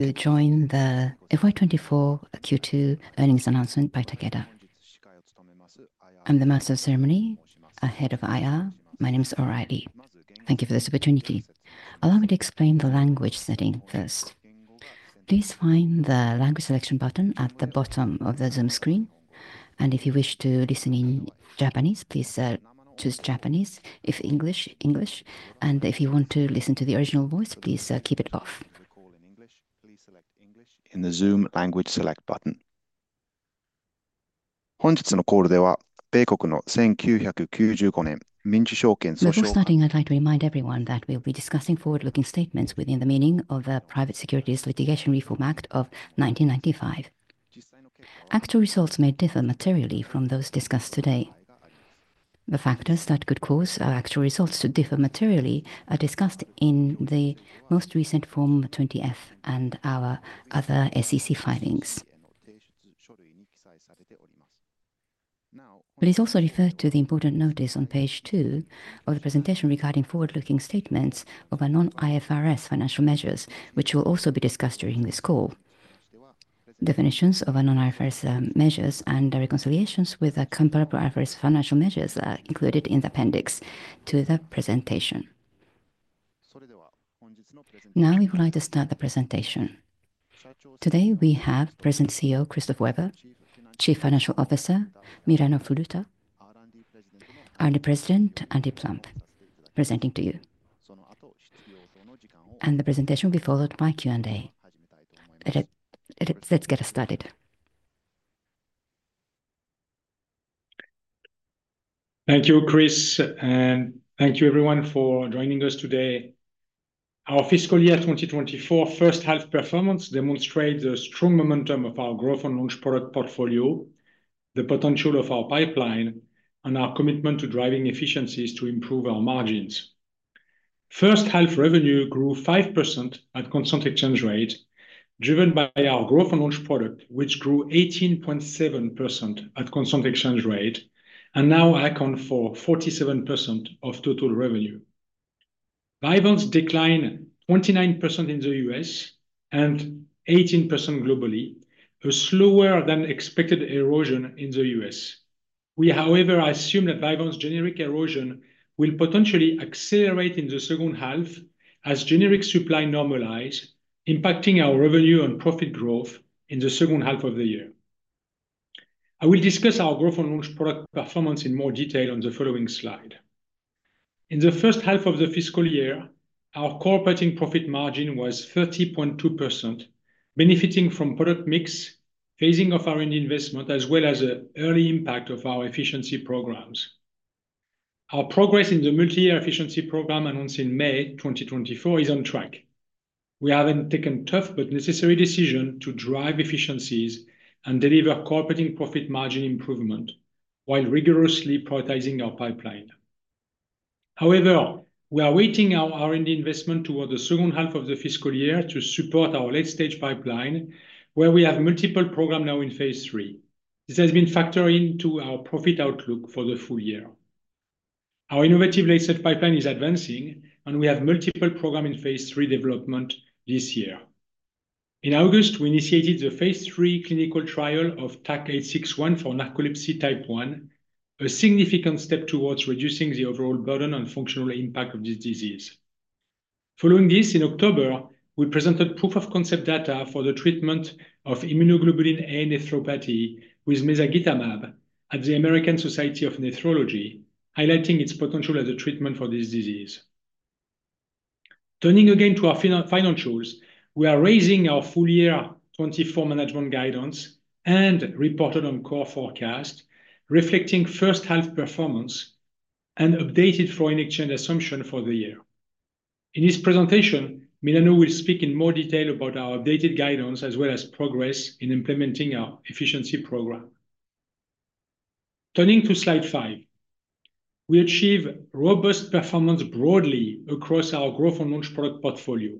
You've joined the FY24 Q2 earnings announcement by Takeda. I'm the Master of Ceremonies and Head of IR. My nameis O'Reilly. Thank you for this opportunity. Allow me to explain the language setting first. Please find the language selection button at the bottom of the Zoom screen, and if you wish to listen in Japanese, please choose Japanese. If English, English. If you want to listen to the original voice, please keep it off. In today's call, the U.S. Private Securities Litigation Reform Act of 1995. Before starting, I'd like to remind everyone that we'll be discussing forward-looking statements within the meaning of the Private Securities Litigation Reform Act of 1995. Actual results may differ materially from those discussed today. The factors that could cause actual results to differ materially are discussed in the most recent Form 20-F and our other SEC filings. Please also refer to the important notice on page two of the presentation regarding forward-looking statements of non-IFRS financial measures, which will also be discussed during this call. Definitions of non-IFRS measures and reconciliations with comparable IFRS financial measures are included in the appendix to the presentation. Now we would like to start the presentation. Today we have President and CEO Christophe Weber, Chief Financial Officer Milano Furuta, and President Andrew Plump presenting to you, and the presentation will be followed by Q&A. Let's get started. Thank you, Chris, and thank you, everyone, for joining us today. Our fiscal year 2024 first half performance demonstrates the strong momentum of our growth and launch product portfolio, the potential of our pipeline, and our commitment to driving efficiencies to improve our margins. First half revenue grew 5% at constant exchange rate, driven by our growth and launch product, which grew 18.7% at constant exchange rate, and now accounts for 47% of total revenue. Vyvanse's decline is 29% in the U.S. and 18% globally, a slower-than-expected erosion in the U.S. We, however, assume that Vyvanse's generic erosion will potentially accelerate in the second half as generic supply normalizes, impacting our revenue and profit growth in the second half of the year. I will discuss our growth and launch product performance in more detail on the following slide. In the first half of the fiscal year, our core operating profit margin was 30.2%, benefiting from product mix, phasing of R&D investment, as well as the early impact of our efficiency programs. Our progress in the multi-year efficiency program announced in May 2024 is on track. We have taken tough but necessary decisions to drive efficiencies and deliver core operating profit margin improvement while rigorously prioritizing our pipeline. However, we are weighting our R&D investment toward the second half of the fiscal year to support our late-stage pipeline, where we have multiple programs now in phase three. This has been factored into our profit outlook for the full year. Our innovative late-stage pipeline is advancing, and we have multiple programs in phase three development this year. In August, we initiated the phase 3 clinical trial of TAK-861 for narcolepsy type 1, a significant step towards reducing the overall burden and functional impact of this disease. Following this, in October, we presented proof-of-concept data for the treatment of immunoglobulin A nephropathy with mezagitamab at the American Society of Nephrology, highlighting its potential as a treatment for this disease. Turning again to our financials, we are raising our full-year 2024 management guidance and reported on core forecast, reflecting first half performance and updated foreign exchange assumption for the year. In this presentation, Milano will speak in more detail about our updated guidance as well as progress in implementing our efficiency program. Turning to slide five, we achieve robust performance broadly across our growth and launch product portfolio.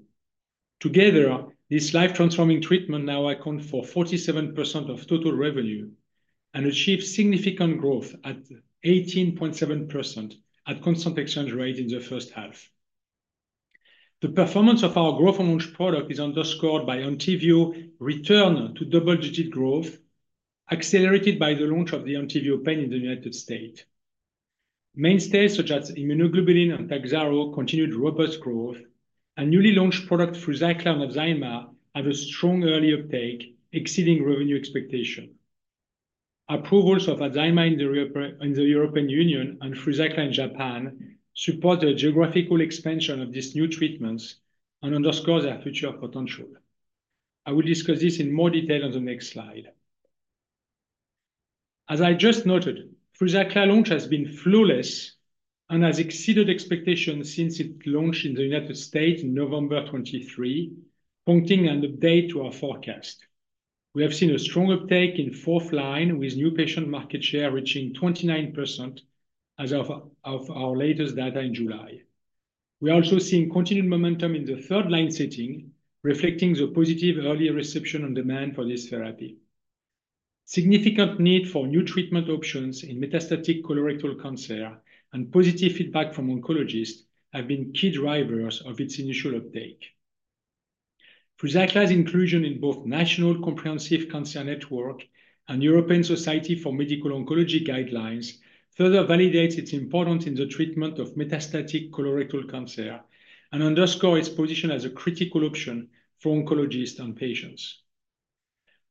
Together, this life-transforming treatment now accounts for 47% of total revenue and achieves significant growth at 18.7% at constant exchange rate in the first half. The performance of our growth and launch product is underscored by Entyvio's return to double-digit growth, accelerated by the launch of the Entyvio Pen in the United States. Mainstays, such as immunoglobulin and Takhzyro, continued robust growth, and newly launched products Fruzaqla and Adzynma have a strong early uptake, exceeding revenue expectation. Approvals of Adzynma in the European Union and Fruzaqla in Japan support the geographical expansion of these new treatments and underscore their future potential. I will discuss this in more detail on the next slide. As I just noted, Fruzaqla launch has been flawless and has exceeded expectations since its launch in the United States in November 2023, prompting an update to our forecast. We have seen a strong uptake in fourth line, with new patient market share reaching 29% as of our latest data in July. We are also seeing continued momentum in the third line setting, reflecting the positive early reception and demand for this therapy. Significant need for new treatment options in metastatic colorectal cancer and positive feedback from oncologists have been key drivers of its initial uptake. Fruzaqla's inclusion in both National Comprehensive Cancer Network and European Society for Medical Oncology guidelines further validates its importance in the treatment of metastatic colorectal cancer and underscores its position as a critical option for oncologists and patients.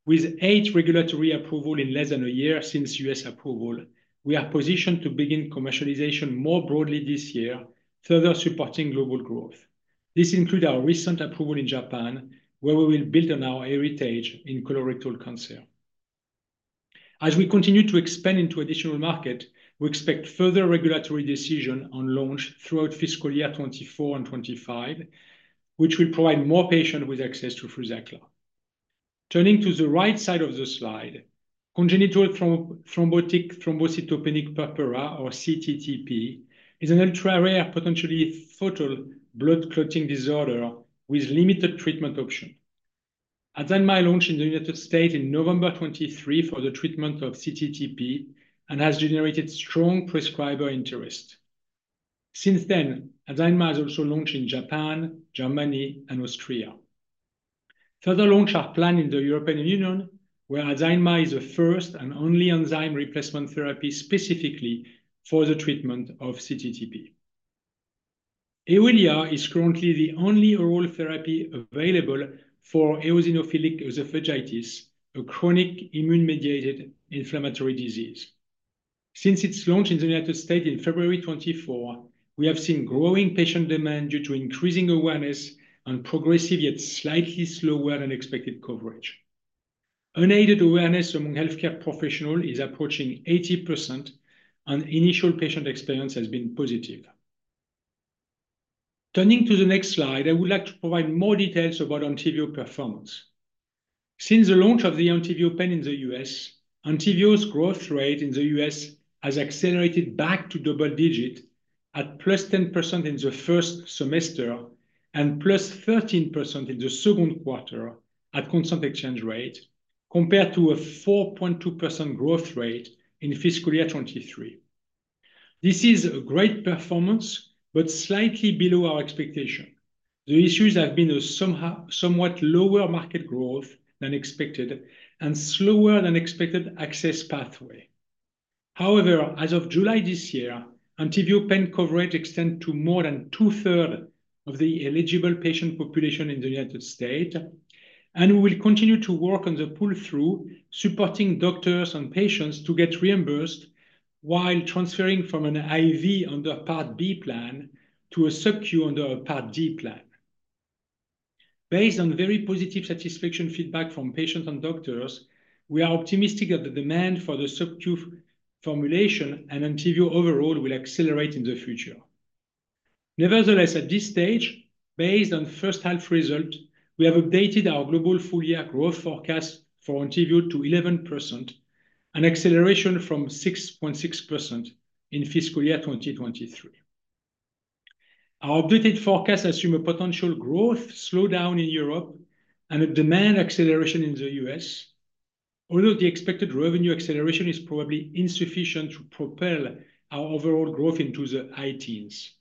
With eight regulatory approvals in less than a year since U.S. approval, we are positioned to begin commercialization more broadly this year, further supporting global growth. This includes our recent approval in Japan, where we will build on our heritage in colorectal cancer. As we continue to expand into additional markets, we expect further regulatory decisions on launch throughout fiscal year 2024 and 2025, which will provide more patients with access to Fruzaqla. Turning to the right side of the slide, congenital thrombocytopenic purpura, or cTTP, is an ultra-rare, potentially fatal blood clotting disorder with limited treatment options. Adzynma launched in the United States in November 2023 for the treatment of cTTP and has generated strong prescriber interest. Since then, Adzynma has also launched in Japan, Germany, and Austria. Further launches are planned in the European Union, where Adzynma is the first and only enzyme replacement therapy specifically for the treatment of cTTP. Eohilia is currently the only oral therapy available for eosinophilic esophagitis, a chronic immune-mediated inflammatory disease. Since its launch in the United States in February 2024, we have seen growing patient demand due to increasing awareness and progressive, yet slightly slower-than-expected coverage. Unaided awareness among healthcare professionals is approaching 80%, and initial patient experience has been positive. Turning to the next slide, I would like to provide more details about Entyvio performance. Since the launch of the Entyvio Pen in the US, Entyvio's growth rate in the US has accelerated back to double-digit at +10% in the first semester and +13% in the second quarter at constant exchange rate, compared to a 4.2% growth rate in fiscal year 2023. This is a great performance, but slightly below our expectation. The issues have been a somewhat lower market growth than expected and slower-than-expected access pathway. However, as of July this year, Entyvio Pen coverage extends to more than two-thirds of the eligible patient population in the United States, and we will continue to work on the pull-through, supporting doctors and patients to get reimbursed while transferring from an IV under a Part B plan to a sub-Q under a Part D plan. Based on very positive satisfaction feedback from patients and doctors, we are optimistic that the demand for the sub-Q formulation and Entyvio overall will accelerate in the future. Nevertheless, at this stage, based on first-half results, we have updated our global full-year growth forecast for Entyvio to 11%, an acceleration from 6.6% in fiscal year 2023. Our updated forecasts assume a potential growth slowdown in Europe and a demand acceleration in the U.S., although the expected revenue acceleration is probably insufficient to propel our overall growth into the high teens.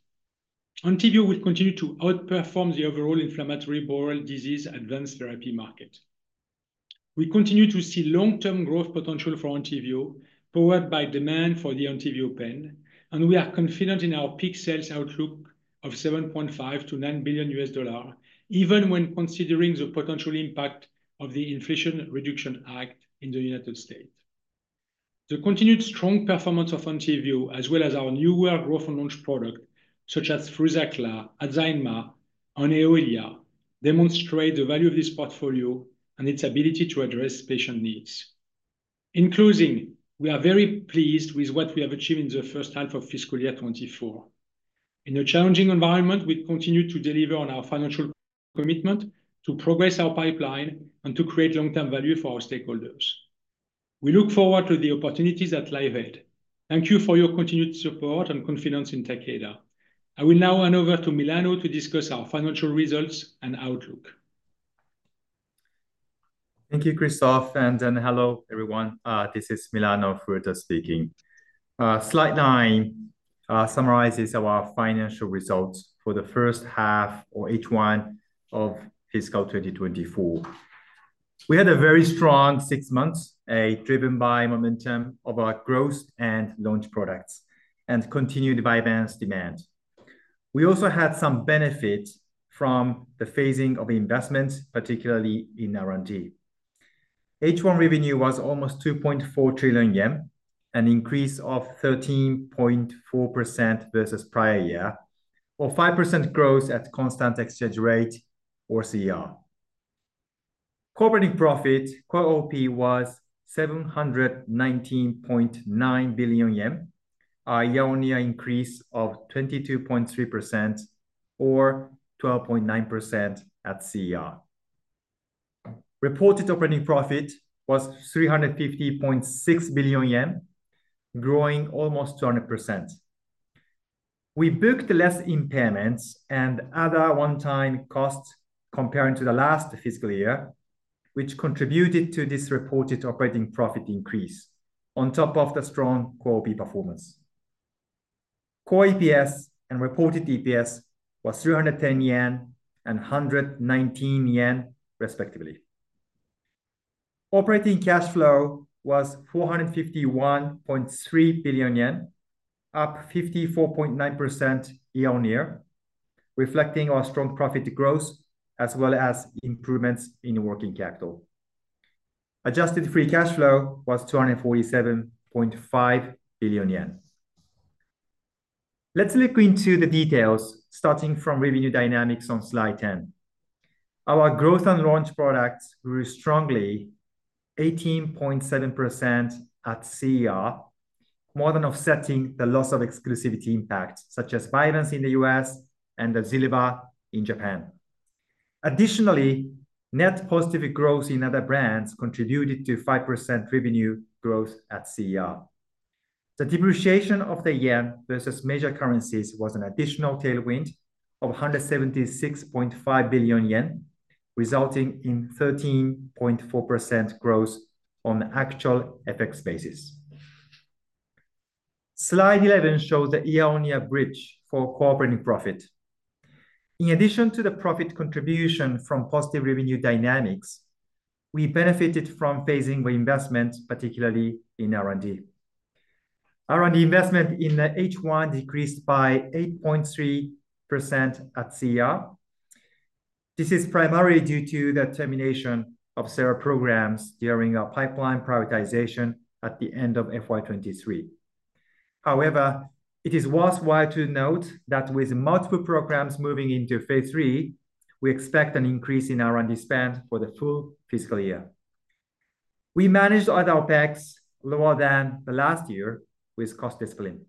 Entyvio will continue to outperform the overall inflammatory bowel disease advanced therapy market. We continue to see long-term growth potential for Entyvio, powered by demand for the Entyvio Pen, and we are confident in our peak sales outlook of $7.5-$9 billion, even when considering the potential impact of the Inflation Reduction Act in the United States. The continued strong performance of Entyvio, as well as our newer growth and launch products such as Fruzaqla, Adzynma, and Eohilia, demonstrate the value of this portfolio and its ability to address patient needs. In closing, we are very pleased with what we have achieved in the first half of fiscal year 2024. In a challenging environment, we continue to deliver on our financial commitment to progress our pipeline and to create long-term value for our stakeholders. We look forward to the opportunities that lie ahead. Thank you for your continued support and confidence in Takeda. I will now hand over to Milano to discuss our financial results and outlook. Thank you, Christoph, and hello, everyone. This is Milano Furuta speaking. Slide nine summarizes our financial results for the first half, or H1, of fiscal 2024. We had a very strong six months, driven by momentum of our growth and launch products and continued by balanced demand. We also had some benefits from the phasing of investments, particularly in R&D. H1 revenue was almost 2.4 trillion yen, an increase of 13.4% versus prior year, or 5% growth at constant exchange rate, or CER. Core operating profit, Core OP, was 719.9 billion yen, a year-on-year increase of 22.3%, or 12.9% at CER. Reported operating profit was 350.6 billion yen, growing almost 200%. We booked less impairments and other one-time costs compared to the last fiscal year, which contributed to this reported operating profit increase on top of the strong Core OP performance. Core EPS and reported EPS were 310 yen and 119 yen, respectively. Operating cash flow was 451.3 billion yen, up 54.9% year-on-year, reflecting our strong profit growth as well as improvements in working capital. Adjusted free cash flow was 247.5 billion yen. Let's look into the details, starting from revenue dynamics on slide 10. Our growth and launch products grew strongly, 18.7% at CER, more than offsetting the loss of exclusivity impact, such as Vyvanse in the U.S. and Azilva in Japan. Additionally, net positive growth in other brands contributed to 5% revenue growth at CER. The depreciation of the yen versus major currencies was an additional tailwind of 176.5 billion yen, resulting in 13.4% growth on actual FX basis. Slide 11 shows the year-on-year bridge for core operating profit. In addition to the profit contribution from positive revenue dynamics, we benefited from phasing reinvestment, particularly in R&D. R&D investment in H1 decreased by 8.3% at CER. This is primarily due to the termination of certain programs during our pipeline prioritization at the end of FY23. However, it is worthwhile to note that with multiple programs moving into phase three, we expect an increase in R&D spend for the full fiscal year. We managed other OpEx lower than the last year with cost discipline.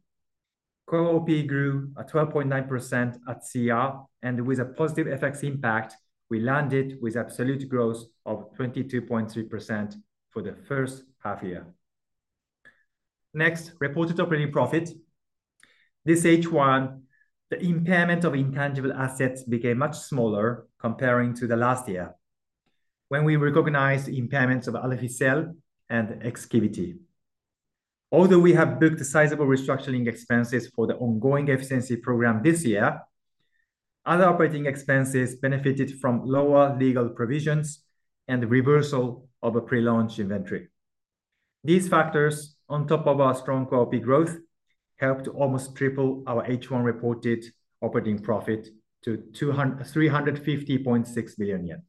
Core OP grew at 12.9% at CER, and with a positive FX impact, we landed with absolute growth of 22.3% for the first half year. Next, reported operating profit. This H1, the impairment of intangible assets became much smaller compared to the last year when we recognized impairments of other R&D and Exkivity. Although we have booked sizable restructuring expenses for the ongoing efficiency program this year, other operating expenses benefited from lower legal provisions and reversal of a pre-launch inventory. These factors, on top of our strong Core OP growth, helped almost triple our H1 reported operating profit to 350.6 billion yen.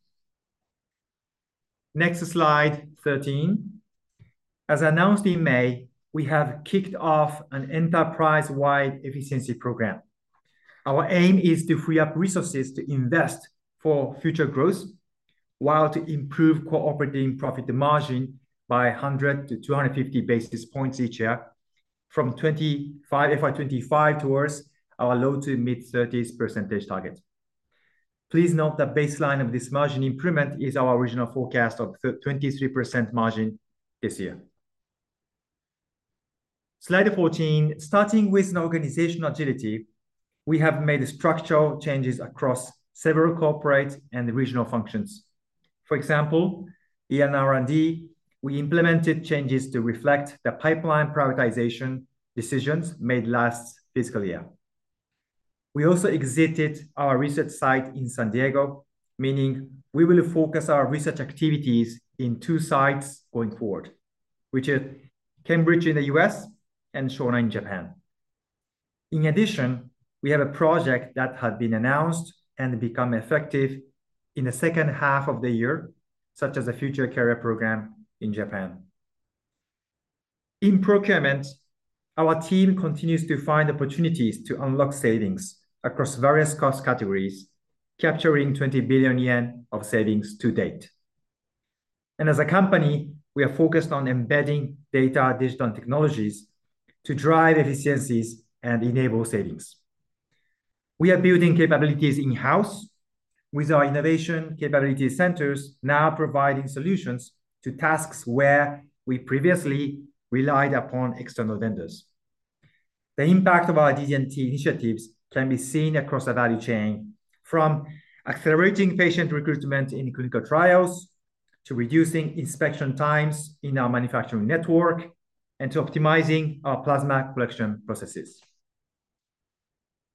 Next slide, 13. As announced in May, we have kicked off an enterprise-wide efficiency program. Our aim is to free up resources to invest for future growth while to improve operating profit margin by 100 to 250 basis points each year from FY25 towards our low- to mid-30s % target. Please note the baseline of this margin improvement is our original forecast of 23% margin this year. Slide 14, starting with an organizational agility, we have made structural changes across several corporate and regional functions. For example, in R&D, we implemented changes to reflect the pipeline prioritization decisions made last fiscal year. We also exited our research site in San Diego, meaning we will focus our research activities in two sites going forward, which are Cambridge in the U.S. and Shonan in Japan. In addition, we have a project that had been announced and become effective in the second half of the year, such as a Future Career Program in Japan. In procurement, our team continues to find opportunities to unlock savings across various cost categories, capturing 20 billion yen of savings to date, and as a company, we are focused on embedding data, digital technologies to drive efficiencies and enable savings. We are building capabilities in-house with our Innovation Capability Centers, now providing solutions to tasks where we previously relied upon external vendors. The impact of our DD&T initiatives can be seen across the value chain, from accelerating patient recruitment in clinical trials to reducing inspection times in our manufacturing network and to optimizing our plasma collection processes.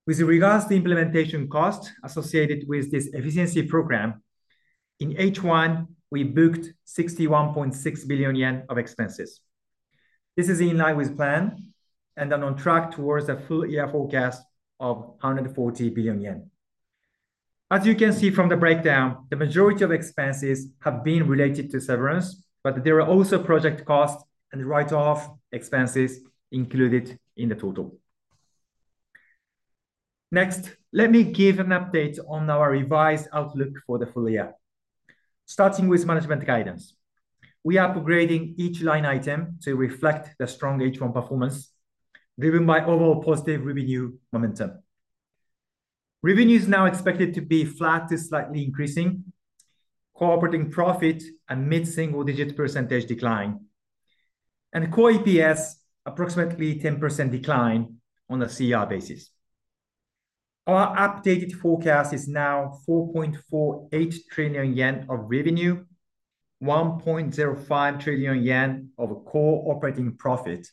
With regards to implementation costs associated with this efficiency program, in H1, we booked 61.6 billion yen of expenses. This is in line with the plan and on track towards a full-year forecast of 140 billion yen. As you can see from the breakdown, the majority of expenses have been related to severance, but there are also project costs and write-off expenses included in the total. Next, let me give an update on our revised outlook for the full year, starting with management guidance. We are upgrading each line item to reflect the strong H1 performance driven by overall positive revenue momentum. Revenue is now expected to be flat to slightly increasing, core operating profit a mid-single-digit % decline, and core EPS approximately 10% decline on a CER basis. Our updated forecast is now 4.48 trillion yen of revenue, 1.05 trillion yen of core operating profit,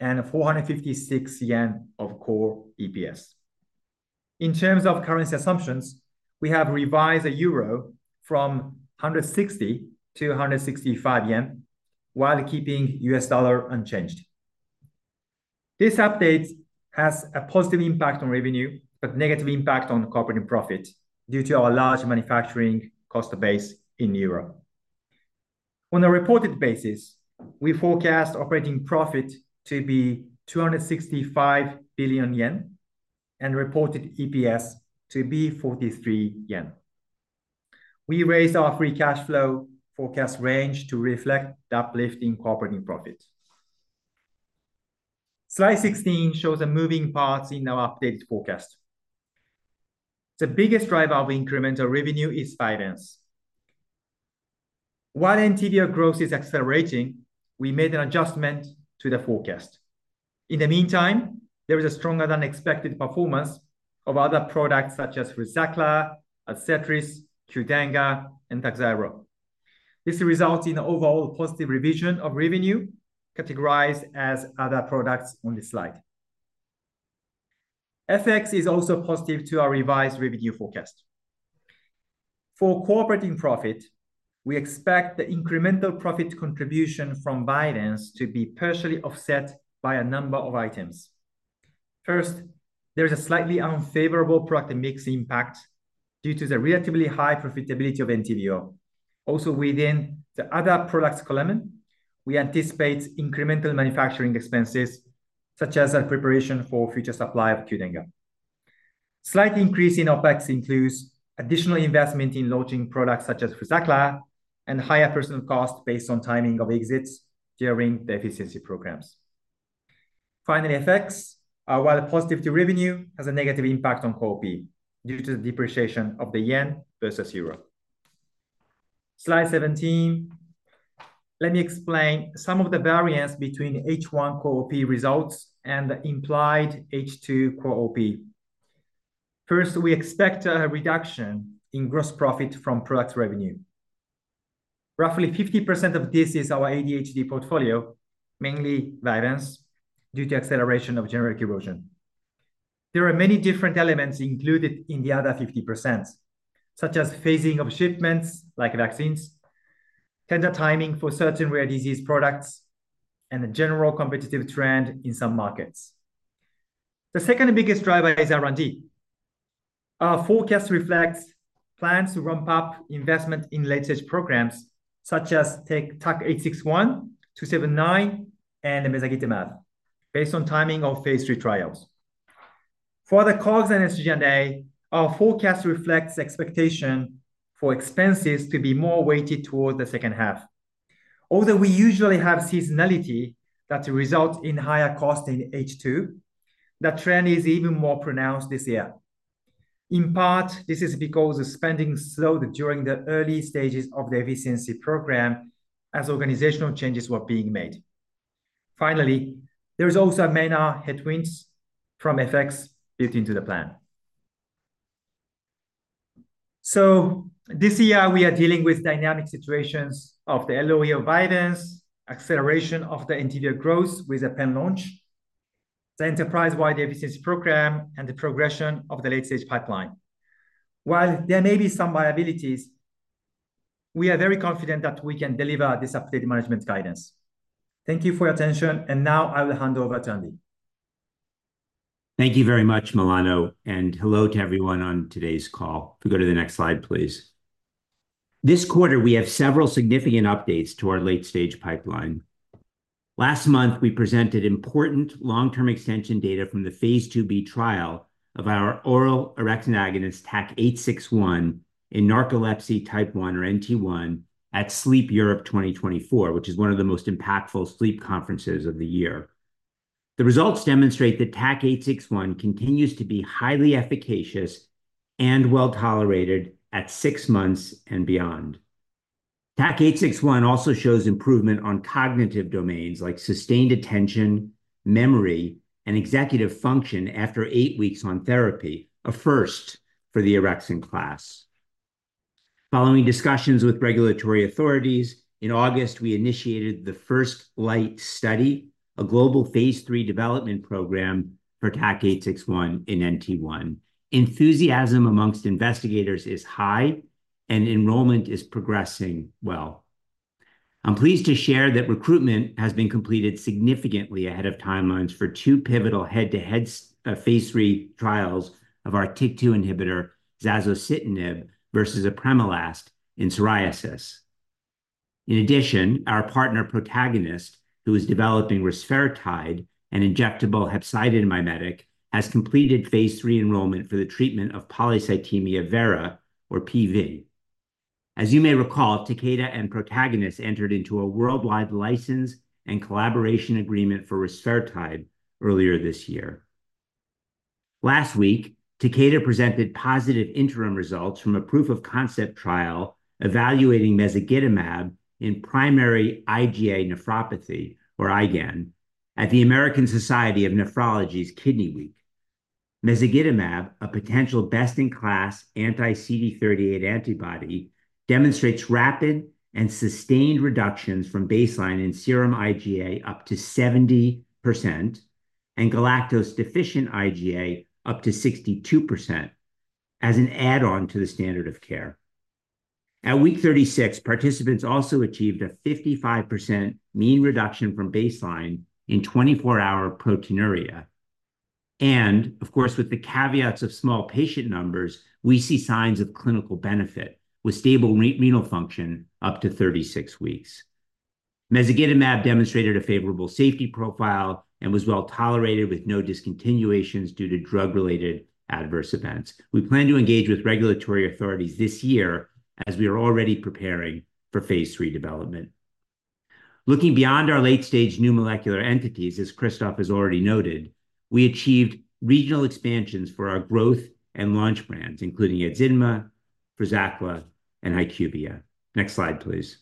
and 456 yen of core EPS. In terms of currency assumptions, we have revised the euro from 160 to 165 yen, while keeping the US dollar unchanged. This update has a positive impact on revenue, but negative impact on core operating profit due to our large manufacturing cost base in Europe. On a reported basis, we forecast operating profit to be 265 billion yen and reported EPS to be 43 yen. We raised our free cash flow forecast range to reflect the uplift in core operating profit. Slide 16 shows the moving parts in our updated forecast. The biggest driver of incremental revenue is finance. While anterior growth is accelerating, we made an adjustment to the forecast. In the meantime, there is a stronger-than-expected performance of other products such as Fruzaqla, Adcetris, Qdenga, and Takhzyro. This results in an overall positive revision of revenue categorized as other products on this slide. FX is also positive to our revised revenue forecast. For core operating profit, we expect the incremental profit contribution from Entyvio's to be partially offset by a number of items. First, there is a slightly unfavorable product mix impact due to the relatively high profitability of Entyvio. Also, within the other products column, we anticipate incremental manufacturing expenses such as the preparation for future supply of Qdenga. Slight increase in OPEX includes additional investment in launching products such as Fruzaqla and higher personnel cost based on timing of exits during the efficiency programs. Finally, FX, while positive to revenue, has a negative impact on COP due to the depreciation of the yen versus euro. Slide 17. Let me explain some of the variance between H1 COP results and the implied H2 COP. First, we expect a reduction in gross profit from product revenue. Roughly 50% of this is our ADHD portfolio, mainly Vyvanse, due to acceleration of generic erosion. There are many different elements included in the other 50%, such as phasing of shipments like vaccines, tender timing for certain rare disease products, and a general competitive trend in some markets. The second biggest driver is R&D. Our forecast reflects plans to ramp up investment in late-stage programs such as TAK-861, TAK-279, and Mezagitamab, based on timing of phase 3 trials. For the COGS and SG&A, our forecast reflects expectation for expenses to be more weighted towards the second half. Although we usually have seasonality that results in higher cost in H2, the trend is even more pronounced this year. In part, this is because the spending slowed during the early stages of the efficiency program as organizational changes were being made. Finally, there is also a minor headwind from FX built into the plan. So this year, we are dealing with dynamic situations of the LOE of Vyvanse, acceleration of the Entyvio growth with a pen launch, the enterprise-wide efficiency program, and the progression of the late-stage pipeline. While there may be some variabilities, we are very confident that we can deliver this updated management guidance. Thank you for your attention, and now I will hand over to Andy. Thank you very much, Milano, and hello to everyone on today's call. If we go to the next slide, please. This quarter, we have several significant updates to our late-stage pipeline. Last month, we presented important long-term extension data from the phase 2b trial of our oral orexin agonist TAK-861 in narcolepsy type 1, or NT1, at Sleep Europe 2024, which is one of the most impactful sleep conferences of the year. The results demonstrate that TAK-861 continues to be highly efficacious and well tolerated at six months and beyond. TAK-861 also shows improvement on cognitive domains like sustained attention, memory, and executive function after eight weeks on therapy, a first for the orexin class. Following discussions with regulatory authorities, in August, we initiated the FirstLight study, a global phase 3 development program for TAK-861 in NT1. Enthusiasm amongst investigators is high, and enrollment is progressing well. I'm pleased to share that recruitment has been completed significantly ahead of timelines for two pivotal head-to-head phase three trials of our TYK2 inhibitor, zasocitinib, versus Otezla in psoriasis. In addition, our partner Protagonist, who is developing rusfertide and injectable hepcidin mimetic, has completed phase three enrollment for the treatment of polycythemia vera, or PV. As you may recall, Takeda and Protagonist entered into a worldwide license and collaboration agreement for rusfertide earlier this year. Last week, Takeda presented positive interim results from a proof of concept trial evaluating Mezagitamab in primary IgA nephropathy, or IgAN, at the American Society of Nephrology's Kidney Week. Mezagitamab, a potential best-in-class anti-CD38 antibody, demonstrates rapid and sustained reductions from baseline in serum IgA up to 70% and galactose-deficient IgA up to 62% as an add-on to the standard of care. At week 36, participants also achieved a 55% mean reduction from baseline in 24-hour proteinuria. Of course, with the caveats of small patient numbers, we see signs of clinical benefit with stable renal function up to 36 weeks. Mezagitamab demonstrated a favorable safety profile and was well tolerated with no discontinuations due to drug-related adverse events. We plan to engage with regulatory authorities this year as we are already preparing for phase 3 development. Looking beyond our late-stage new molecular entities, as Christoph has already noted, we achieved regional expansions for our growth and launch brands, including Eohilia, Fruzaqla, and HyQvia. Next slide, please.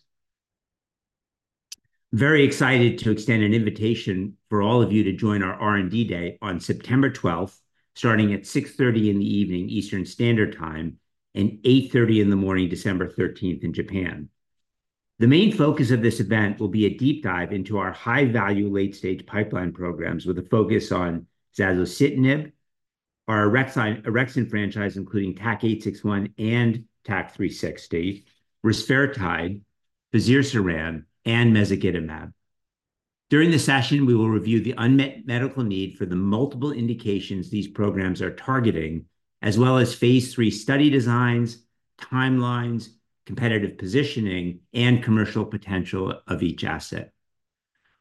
Very excited to extend an invitation for all of you to join our R&D Day on September 12th, starting at 6:30 P.M. Eastern Standard Time and 8:30 A.M. September 13th in Japan. The main focus of this event will be a deep dive into our high-value late-stage pipeline programs with a focus on zasocitinib, our orexin franchise, including TAK-861 and TAK-360, rusfertide, fazirsiran, and Mezagitamab. During the session, we will review the unmet medical need for the multiple indications these programs are targeting, as well as phase 3 study designs, timelines, competitive positioning, and commercial potential of each asset.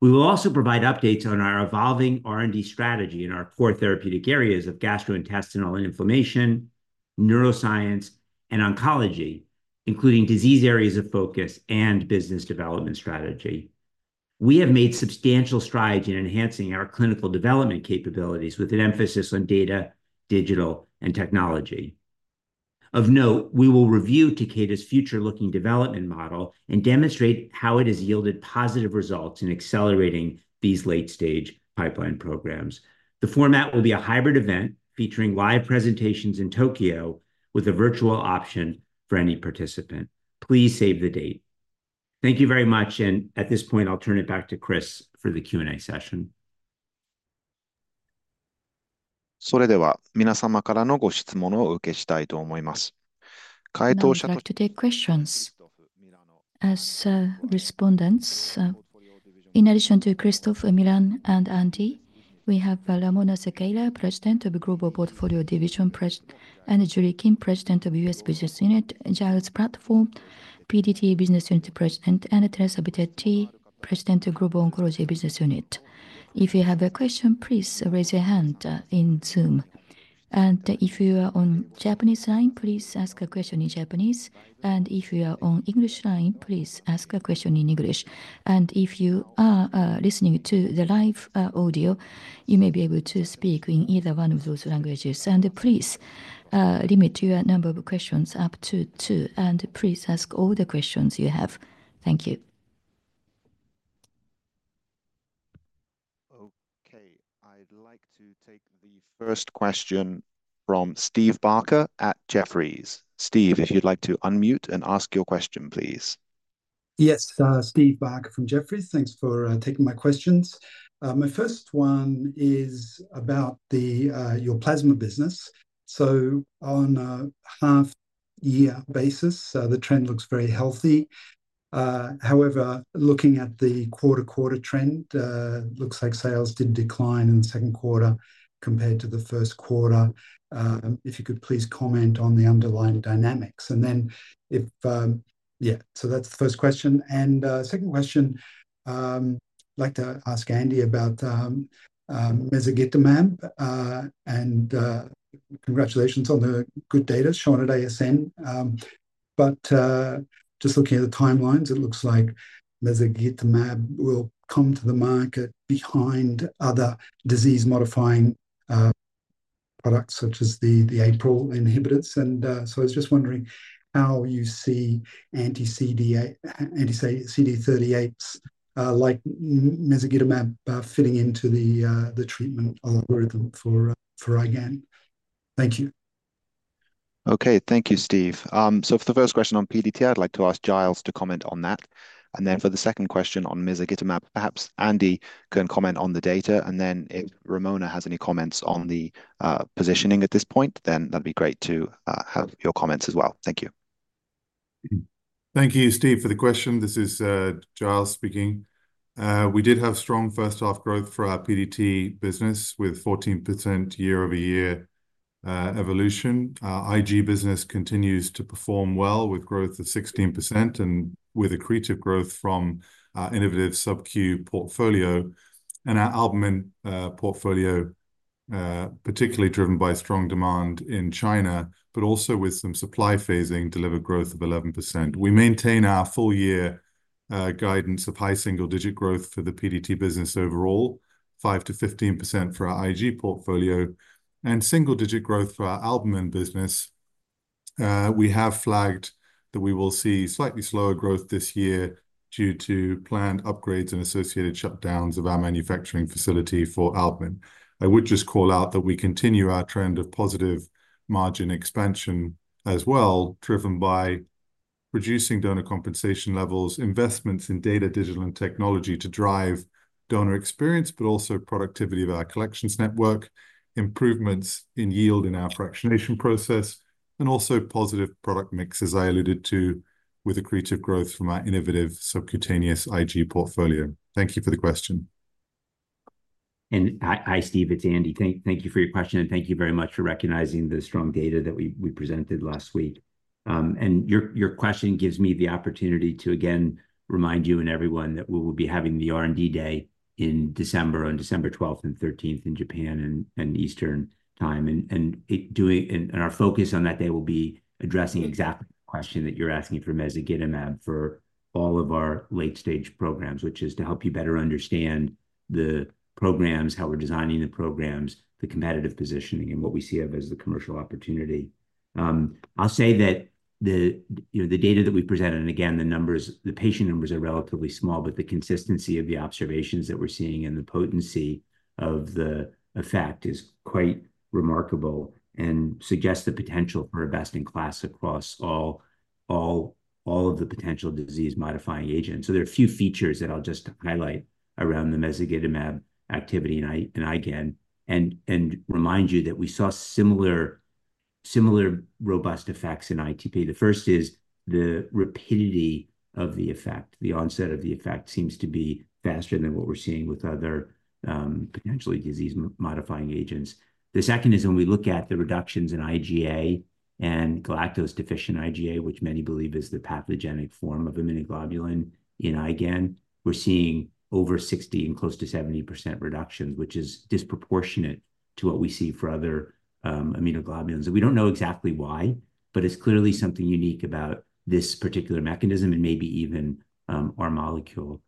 We will also provide updates on our evolving R&D strategy in our core therapeutic areas of gastrointestinal inflammation, neuroscience, and oncology, including disease areas of focus and business development strategy. We have made substantial strides in enhancing our clinical development capabilities with an emphasis on data, digital, and technology. Of note, we will review Takeda's forward-looking development model and demonstrate how it has yielded positive results in accelerating these late-stage pipeline programs. The format will be a hybrid event featuring live presentations in Tokyo with a virtual option for any participant. Please save the date. Thank you very much, and at this point, I'll turn it back to Chris for the Q&A session. それでは、皆様からのご質問を受けたいと思います。回答者。We would like to take questions as respondents. In addition to Christoph, Milano, and Andrew, we have Ramona Sequeira, President of the Global Portfolio Division, and Julie Kim, President of the U.S. Business Unit, Giles Platford, PDT Business Unit President, and Teresa Bitetti, President of Global Oncology Business Unit. If you have a question, please raise your hand in Zoom. And if you are on Japanese line, please ask a question in Japanese. And if you are on English line, please ask a question in English. And if you are listening to the live audio, you may be able to speak in either one of those languages. Please limit your number of questions up to two. And please ask all the questions you have. Thank you. Okay, I'd like to take the first question from Steve Barker at Jefferies. Steve, if you'd like to unmute and ask your question, please. Yes, Steve Barker from Jefferies. Thanks for taking my questions. My first one is about your plasma business. So on a half-year basis, the trend looks very healthy. However, looking at the quarter-quarter trend, it looks like sales did decline in the second quarter compared to the first quarter. If you could please comment on the underlying dynamics. And then, yeah, so that's the first question. And second question, I'd like to ask Andy about mezagitamab. And congratulations on the good data shown at ASN. But just looking at the timelines, it looks like Mezagitamab will come to the market behind other disease-modifying products such as the APRIL inhibitors. And so I was just wondering how you see anti-CD38s like Mezagitamab fitting into the treatment algorithm for IgAN. Thank you. Okay, thank you, Steve. So for the first question on PDT, I'd like to ask Giles to comment on that. And then for the second question on Mezagitamab, perhaps Andy can comment on the data. And then if Ramona has any comments on the positioning at this point, then that'd be great to have your comments as well. Thank you. Thank you, Steve, for the question. This is Giles speaking. We did have strong first-half growth for our PDT business with 14% year-over-year growth. Our Ig business continues to perform well with growth of 16% and with a core growth from our innovative sub-Q portfolio and our albumin portfolio, particularly driven by strong demand in China, but also with some supply phasing delivered growth of 11%. We maintain our full-year guidance of high single-digit growth for the PDT business overall, 5%-15% for our Ig portfolio, and single-digit growth for our albumin business. We have flagged that we will see slightly slower growth this year due to planned upgrades and associated shutdowns of our manufacturing facility for albumin. I would just call out that we continue our trend of positive margin expansion as well, driven by reducing donor compensation levels, investments in data, digital, and technology to drive donor experience, but also productivity of our collections network, improvements in yield in our fractionation process, and also positive product mix, as I alluded to, with a creative growth from our innovative subcutaneous Ig portfolio. Thank you for the question. Hi, Steve, it's Andy. Thank you for your question, and thank you very much for recognizing the strong data that we presented last week. Your question gives me the opportunity to, again, remind you and everyone that we will be having the R&D day in December on December 12th and 13th in Japan and Eastern Time. Our focus on that day will be addressing exactly the question that you're asking for Mezagitamab for all of our late-stage programs, which is to help you better understand the programs, how we're designing the programs, the competitive positioning, and what we see of it as the commercial opportunity. I'll say that the data that we presented, and again, the numbers, the patient numbers are relatively small, but the consistency of the observations that we're seeing and the potency of the effect is quite remarkable and suggests the potential for a best-in-class across all of the potential disease-modifying agents. There are a few features that I'll just highlight around the Mezagitamab activity and IgAN and remind you that we saw similar robust effects in ITP. The first is the rapidity of the effect. The onset of the effect seems to be faster than what we're seeing with other potentially disease-modifying agents. The second is when we look at the reductions in IgA and galactose-deficient IgA, which many believe is the pathogenic form of immunoglobulin in IgAN. We're seeing over 60% and close to 70% reductions, which is disproportionate to what we see for other immunoglobulins, and we don't know exactly why, but it's clearly something unique about this particular mechanism and maybe even our molecule.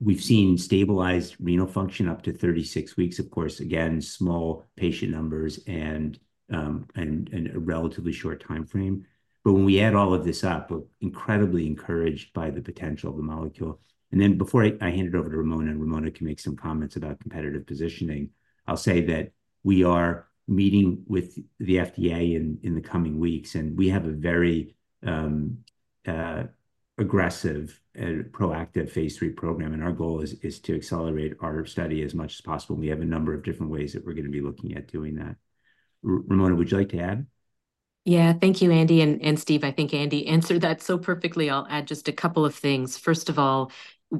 We've seen stabilized renal function up to 36 weeks, of course, again, small patient numbers and a relatively short timeframe, but when we add all of this up, we're incredibly encouraged by the potential of the molecule. And then before I hand it over to Ramona, and Ramona can make some comments about competitive positioning, I'll say that we are meeting with the FDA in the coming weeks, and we have a very aggressive and proactive phase three program, and our goal is to accelerate our study as much as possible. And we have a number of different ways that we're going to be looking at doing that. Ramona, would you like to add? Yeah, thank you, Andy. And Steve, I think Andy answered that so perfectly. I'll add just a couple of things. First of all,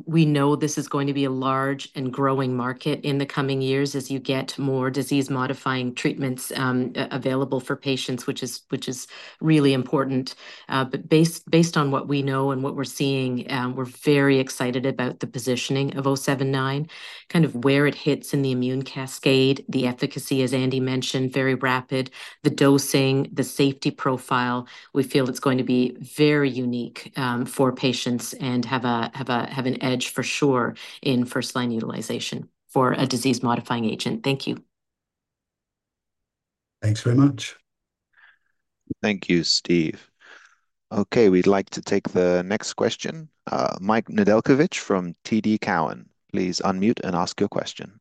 we know this is going to be a large and growing market in the coming years as you get more disease-modifying treatments available for patients, which is really important. But based on what we know and what we're seeing, we're very excited about the positioning of 079, kind of where it hits in the immune cascade. The efficacy, as Andy mentioned, very rapid. The dosing, the safety profile, we feel it's going to be very unique for patients and have an edge for sure in first-line utilization for a disease-modifying agent. Thank you. Thanks very much. Thank you, Steve. Okay, we'd like to take the next question. Mike Nedelcovych from TD Cowen, please unmute and ask your question.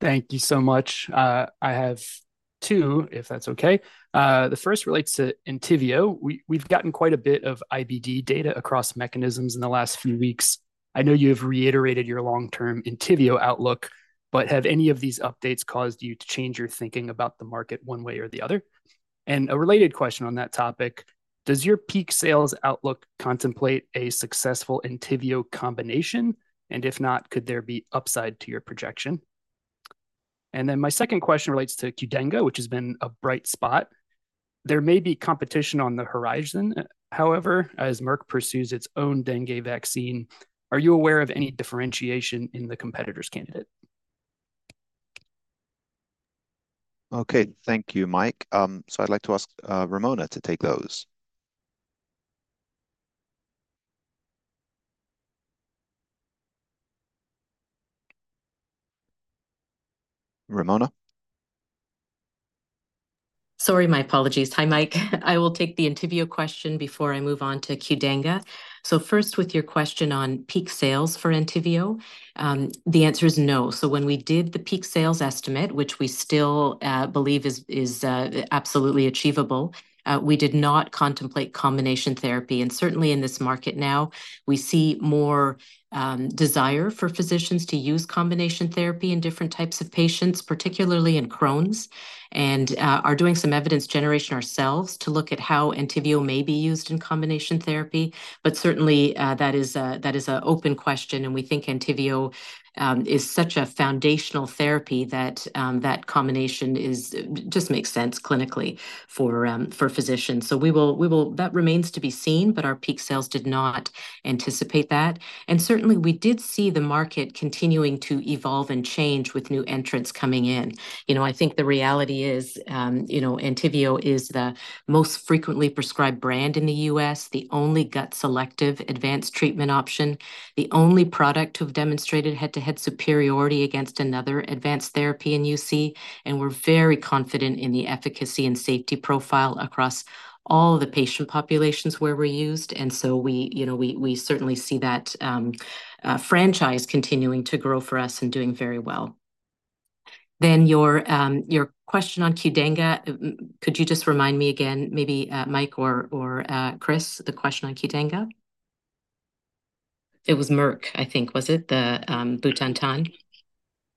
Thank you so much. I have two, if that's okay. The first relates to Entyvio. We've gotten quite a bit of IBD data across mechanisms in the last few weeks. I know you have reiterated your long-term Entyvio outlook, but have any of these updates caused you to change your thinking about the market one way or the other? A related question on that topic, does your peak sales outlook contemplate a successful Entyvio combination? And if not, could there be upside to your projection? And then my second question relates to Qdenga, which has been a bright spot. There may be competition on the horizon. However, as Merck pursues its own dengue vaccine, are you aware of any differentiation in the competitor's candidate? Okay, thank you, Mike. I'd like to ask Ramona to take those. Ramona? Sorry, my apologies. Hi, Mike. I will take the Entyvio question before I move on to Qdenga. First, with your question on peak sales for Entyvio, the answer is no. When we did the peak sales estimate, which we still believe is absolutely achievable, we did not contemplate combination therapy. And certainly in this market now, we see more desire for physicians to use combination therapy in different types of patients, particularly in Crohn's, and are doing some evidence generation ourselves to look at how Entyvio may be used in combination therapy. But certainly, that is an open question, and we think Entyvio is such a foundational therapy that that combination just makes sense clinically for physicians. So that remains to be seen, but our peak sales did not anticipate that. And certainly, we did see the market continuing to evolve and change with new entrants coming in. I think the reality is Entyvio is the most frequently prescribed brand in the U.S., the only gut-selective advanced treatment option, the only product to have demonstrated head-to-head superiority against another advanced therapy in UC, and we're very confident in the efficacy and safety profile across all of the patient populations where we're used, and so we certainly see that franchise continuing to grow for us and doing very well, then your question on Qdenga, could you just remind me again, maybe Mike or Chris, the question on Qdenga? It was Merck, I think, was it, the Butantan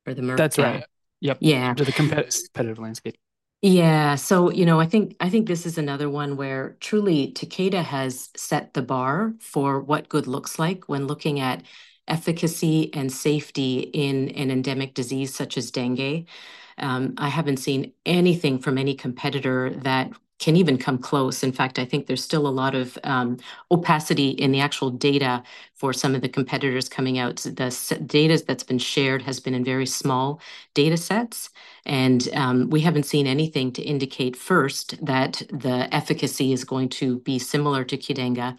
or the Merck? That's right. Yep. Yeah. The competitive landscape. Yeah, so I think this is another one where truly Takeda has set the bar for what good looks like when looking at efficacy and safety in an endemic disease such as dengue. I haven't seen anything from any competitor that can even come close. In fact, I think there's still a lot of opacity in the actual data for some of the competitors coming out. The data that's been shared has been in very small data sets, and we haven't seen anything to indicate first that the efficacy is going to be similar to Qdenga,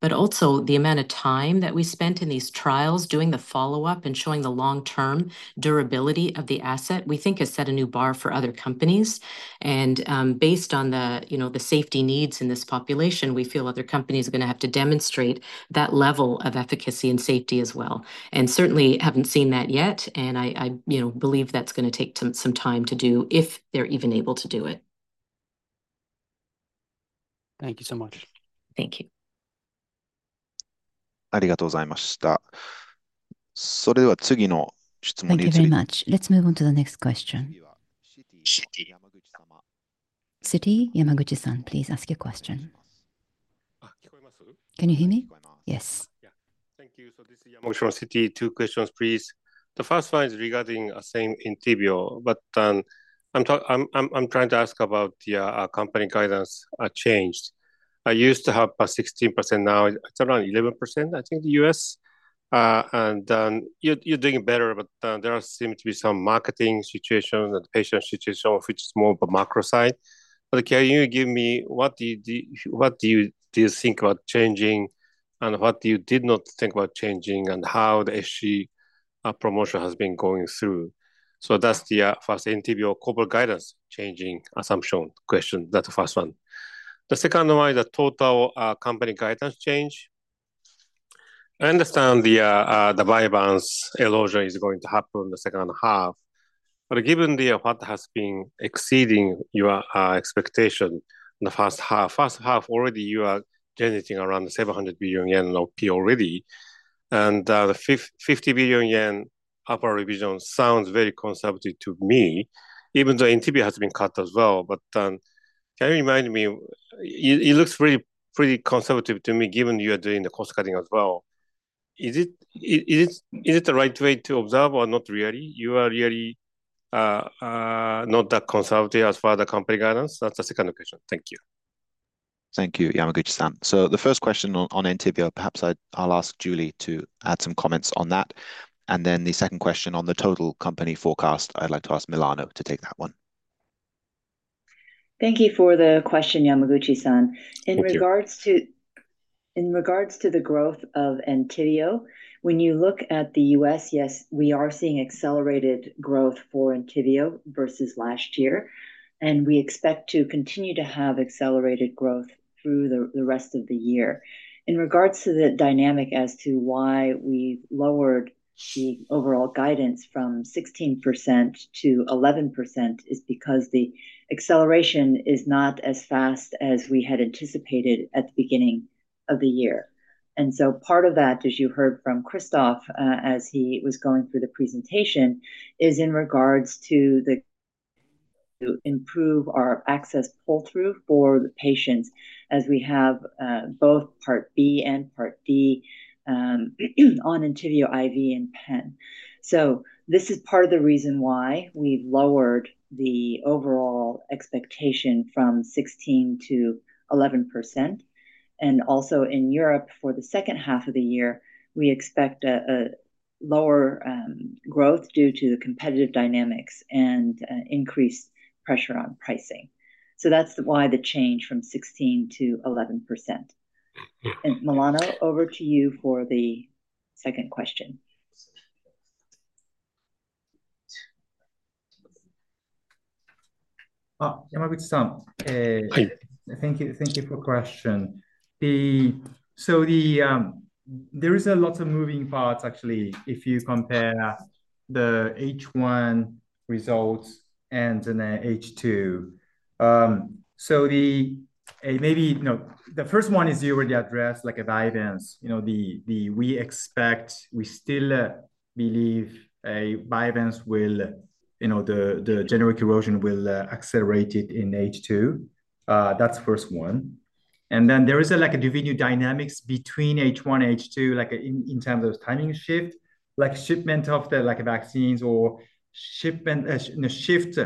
but also, the amount of time that we spent in these trials doing the follow-up and showing the long-term durability of the asset, we think has set a new bar for other companies, and based on the safety needs in this population, we feel other companies are going to have to demonstrate that level of efficacy and safety as well, and certainly haven't seen that yet, and I believe that's going to take some time to do if they're even able to do it. Thank you so much. Thank you. ありがとうございました。それでは次の質問に移ります。Thank you very much. Let's move on to the next question. Citi Yamaguchi-san, please ask your question. Can you hear me? Yes. Thank you. So this is Yamaguchi from Citi. Two questions, please. The first one is regarding same Entyvio, but I'm trying to ask about the company guidance change. I used to have 16%, now it's around 11%, I think, in the US. And you're doing better, but there seems to be some marketing situation and patient situation, which is more of a macro side. But can you give me what do you think about changing and what you did not think about changing and how the SG promotion has been going through? So that's the first Entyvio corporate guidance changing assumption question. That's the first one. The second one is the total company guidance change. I understand the Vyvanse erosion is going to happen in the second half. But given what has been exceeding your expectation in the first half, first half already you are generating around 700 billion yen of P already. And the 50 billion yen upper revision sounds very conservative to me, even though Entyvio has been cut as well. But can you remind me, it looks pretty conservative to me given you are doing the cost cutting as well. Is it the right way to observe or not really? You are really not that conservative as far as the company guidance? That's the second question. Thank you. Thank you, Yamaguchi-san. So the first question on Entyvio, perhaps I'll ask Julie to add some comments on that. And then the second question on the total company forecast, I'd like to ask Milano to take that one. Thank you for the question, Yamaguchi-san. In regards to the growth of Entyvio, when you look at the U.S., yes, we are seeing accelerated growth for Entyvio versus last year, and we expect to continue to have accelerated growth through the rest of the year. In regards to the dynamic as to why we lowered the overall guidance from 16% to 11% is because the acceleration is not as fast as we had anticipated at the beginning of the year, and so part of that, as you heard from Christoph as he was going through the presentation, is in regards to to improve our access pull-through for the patients as we have both Part B and Part D on Entyvio IV and Pen. This is part of the reason why we've lowered the overall expectation from 16% to 11%. Also in Europe, for the second half of the year, we expect a lower growth due to the competitive dynamics and increased pressure on pricing. So that's why the change from 16% to 11%. Milano, over to you for the second question. Yamaguchi-san, thank you for the question. So there is a lot of moving parts, actually, if you compare the H1 results and then H2. So maybe the first one is you already addressed like Vyvanse. We expect, we still believe Vyvanse will, the generic erosion will accelerate it in H2. That's the first one. And then there is different dynamics between H1 and H2 in terms of timing shift, like shipment of the vaccines or shift from H2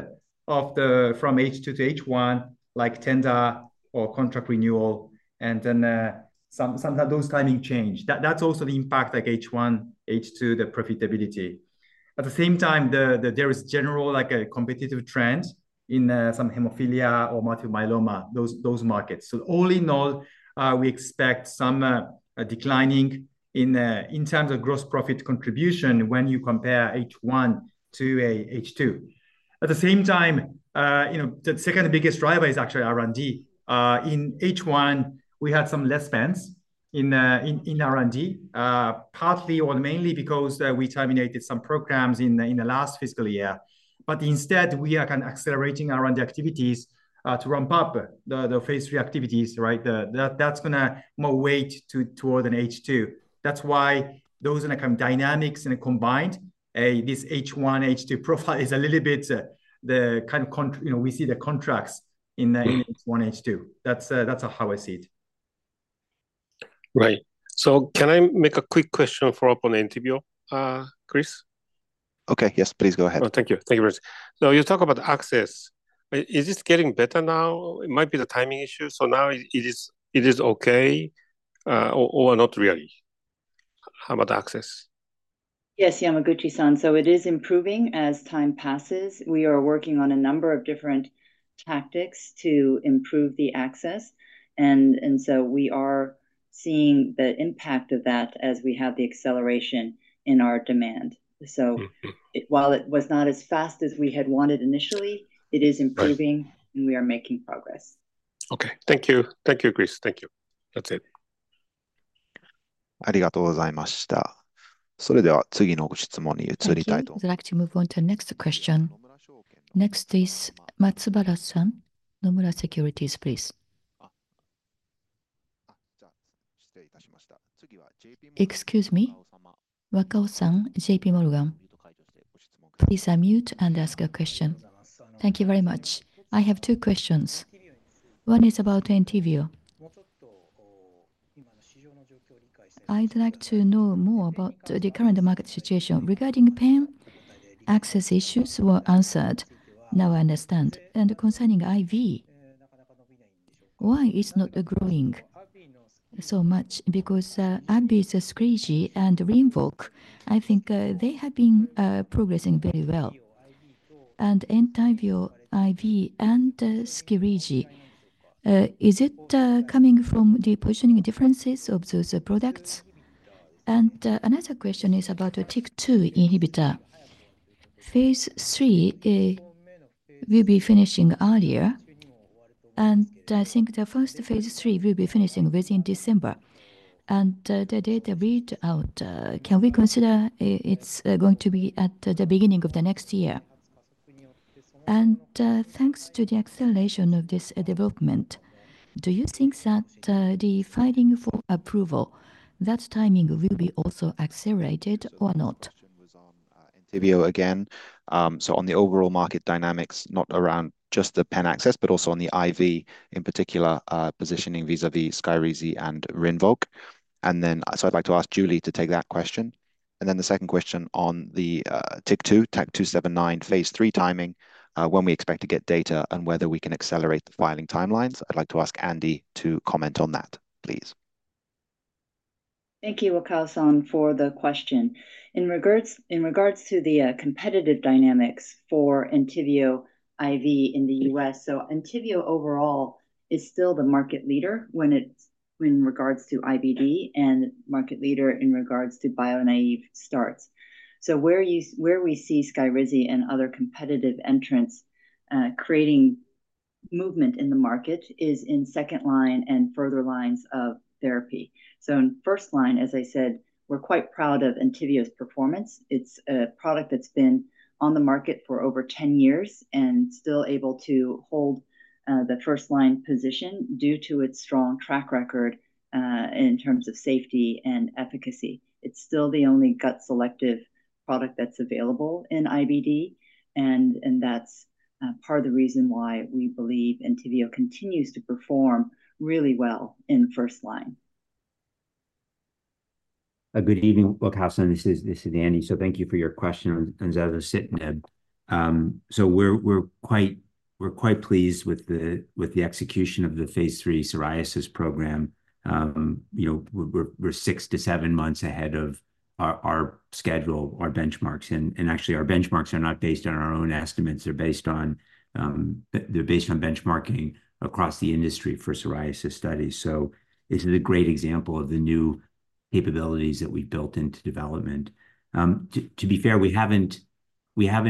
to H1, like tender or contract renewal, and then sometimes those timing change. That's also the impact like H1, H2, the profitability. At the same time, there is general competitive trends in some hemophilia or multiple myeloma, those markets. So all in all, we expect some decline in terms of gross profit contribution when you compare H1 to H2. At the same time, the second biggest driver is actually R&D. In H1, we had some less spends in R&D, partly or mainly because we terminated some programs in the last fiscal year. But instead, we are accelerating R&D activities to ramp up the phase three activities, right? That's going to more weight toward an H2. That's why those kind of dynamics and combined, this H1, H2 profile is a little bit the kind of we see the contrast in H1, H2. That's how I see it. Right. So can I ask a quick follow-up question on Entyvio, Chris? Okay. Yes, please go ahead. Thank you. Thank you, Bruce. So you talk about access. Is this getting better now? It might be the timing issue. So now it is okay or not really? How about access? Yes, Yamaguchi-san. So it is improving as time passes. We are working on a number of different tactics to improve the access. And so we are seeing the impact of that as we have the acceleration in our demand. So while it was not as fast as we had wanted initially, it is improving, and we are making progress. Okay. Thank you. Thank you, Chris. Thank you. That's it. ありがとうございました。それでは次のご質問に移りたいと思います。Thank you. I'd like to move on to the next question. Next is Matsubara-san. Nomura Securities, please. 失礼いたしました。次はJ.P. Morgan。Excuse me? Wakao-san, J.P. Morgan. Please unmute and ask a question. Thank you very much. I have two questions. One is about Entyvio. I'd like to know more about the current market situation. Regarding PEN, access issues were answered. Now I understand. Concerning IV, why is it not growing so much? Because IV is Skyrizi and Rinvoq. I think they have been progressing very well. Entyvio, IV and Skyrizi, is it coming from the positioning differences of those products? Another question is about TYK2 inhibitor. Phase 3 will be finishing earlier, and I think the first phase 3 will be finishing within December. The data readout, can we consider it's going to be at the beginning of the next year? Thanks to the acceleration of this development, do you think that the filing for approval, that timing will be also accelerated or not? Entyvio again. So on the overall market dynamics, not around just the PEN access, but also on the IV in particular, positioning vis-à-vis Skyrizi and Rinvoq. I'd like to ask Julie to take that question. The second question on the TYK2, TAK-279 phase 3 timing, when we expect to get data and whether we can accelerate the filing timelines. I'd like to ask Andy to comment on that, please. Thank you, Wakao-san, for the question. In regards to the competitive dynamics for Entyvio IV in the U.S., Entyvio overall is still the market leader when it's in regards to IBD and market leader in regards to bio-naive starts. Where we see Skyrizi and other competitive entrants creating movement in the market is in second line and further lines of therapy. In first line, as I said, we're quite proud of Entyvio's performance. It's a product that's been on the market for over 10 years and still able to hold the first line position due to its strong track record in terms of safety and efficacy. It's still the only gut-selective product that's available in IBD, and that's part of the reason why we believe Entyvio continues to perform really well in first line. Good evening, Wakao-san. This is Andy. So thank you for your question on zasocitinib. So we're quite pleased with the execution of the phase 3 psoriasis program. We're six-to-seven months ahead of our schedule, our benchmarks. Actually, our benchmarks are not based on our own estimates. They're based on benchmarking across the industry for psoriasis studies. So it's a great example of the new capabilities that we've built into development. To be fair, we haven't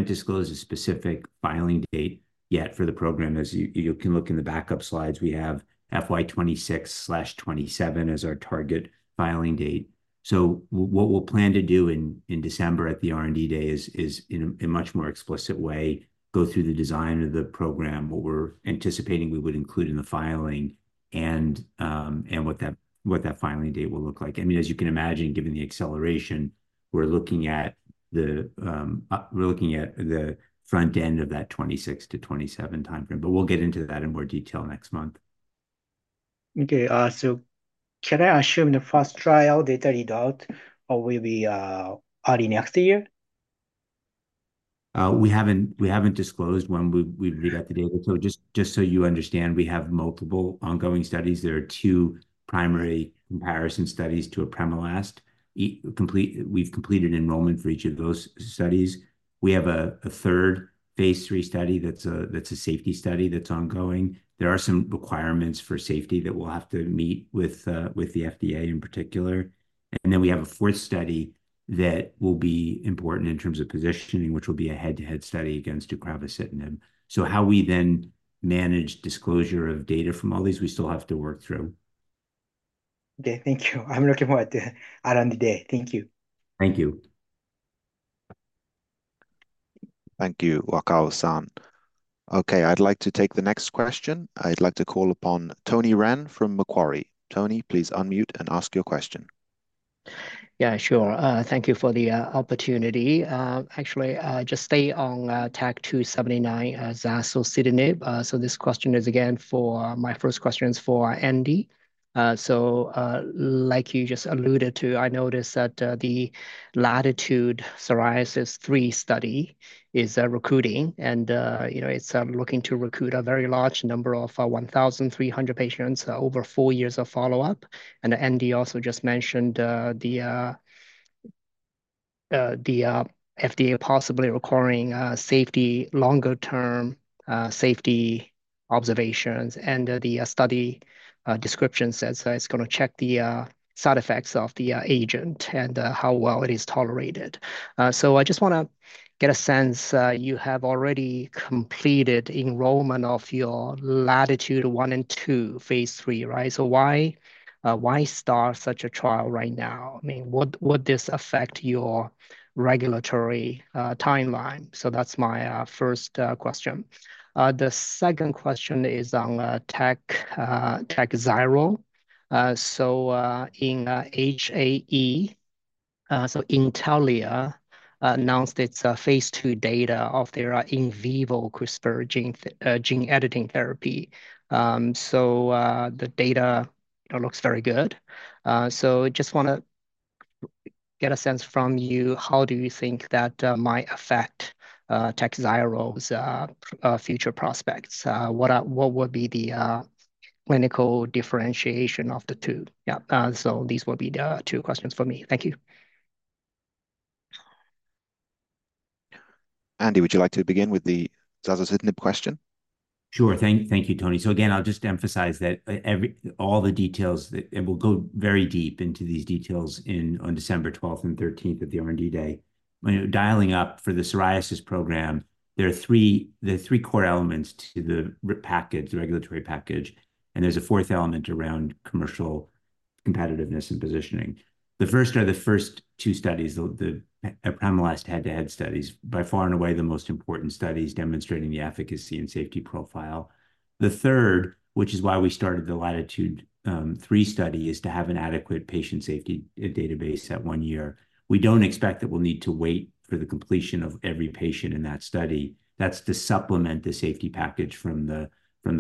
disclosed a specific filing date yet for the program. As you can look in the backup slides, we have FY26/27 as our target filing date. So what we'll plan to do in December at the R&D Day is, in a much more explicit way, go through the design of the program, what we're anticipating we would include in the filing, and what that filing date will look like. I mean, as you can imagine, given the acceleration, we're looking at the front end of that 26 to 27 timeframe. But we'll get into that in more detail next month. Okay. So can I assume the first trial data readout will be early next year? We haven't disclosed when we read out the data. So just so you understand, we have multiple ongoing studies. There are two primary comparison studies to apremilast. We've completed enrollment for each of those studies. We have a third phase 3 study that's a safety study that's ongoing. There are some requirements for safety that we'll have to meet with the FDA in particular, and then we have a fourth study that will be important in terms of positioning, which will be a head-to-head study against deucravacitinib. So how we then manage disclosure of data from all these, we still have to work through. Okay. Thank you. I'm looking forward to R&D day. Thank you. Thank you. Thank you, Wakao-san. Okay. I'd like to take the next question. I'd like to call upon Tony Ren from Macquarie. Tony, please unmute and ask your question. Yeah, sure. Thank you for the opportunity. Actually, just stay on TAK-279, zasocitinib. So this question is again for my first question is for Andy. So like you just alluded to, I noticed that the Latitude Psoriasis 3 study is recruiting, and it's looking to recruit a very large number of 1,300 patients over four years of follow-up. And Andy also just mentioned the FDA possibly requiring safety, longer-term safety observations. And the study description says it's going to check the side effects of the agent and how well it is tolerated. So I just want to get a sense. You have already completed enrollment of your Latitude 1 and 2 phase 3, right? So why start such a trial right now? I mean, would this affect your regulatory timeline? So that's my first question. The second question is on Takhzyro. So in HAE, so Intellia announced its phase 2 data of their in vivo CRISPR gene editing therapy. So the data looks very good. So just want to get a sense from you, how do you think that might affect Takhzyro's future prospects? What would be the clinical differentiation of the two? Yeah. So these will be the two questions for me. Thank you. Andy, would you like to begin with the Zasocitinib question? Sure. Thank you, Tony. So again, I'll just emphasize that all the details that we'll go very deep into these details on December 12th and 13th of the R&D day. Dialing up for the psoriasis program, there are three core elements to the package, the regulatory package. And there's a fourth element around commercial competitiveness and positioning. The first are the first two studies, the Apremilast head-to-head studies, by far and away the most important studies demonstrating the efficacy and safety profile. The third, which is why we started the Latitude 3 study, is to have an adequate patient safety database at one year. We don't expect that we'll need to wait for the completion of every patient in that study. That's to supplement the safety package from the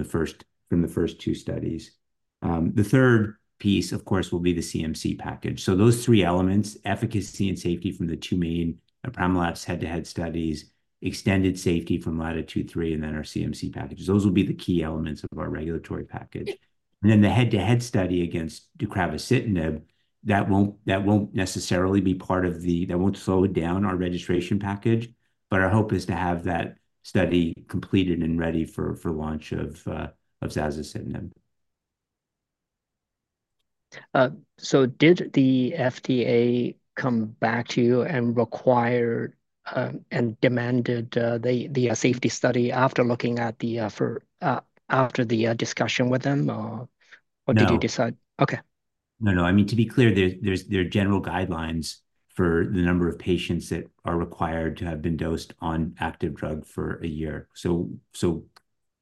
first two studies. The third piece, of course, will be the CMC package, so those three elements, efficacy and safety from the two main Apremilast head-to-head studies, extended safety from Latitude 3, and then our CMC package. Those will be the key elements of our regulatory package, and then the head-to-head study against Deucravacitinib, that won't necessarily be part of that won't slow down our registration package, but our hope is to have that study completed and ready for launch of Zasocitinib. Did the FDA come back to you and required and demanded the safety study after looking at the discussion with them? Or did you decide? Okay. No, no. I mean, to be clear, there are general guidelines for the number of patients that are required to have been dosed on active drug for a year. So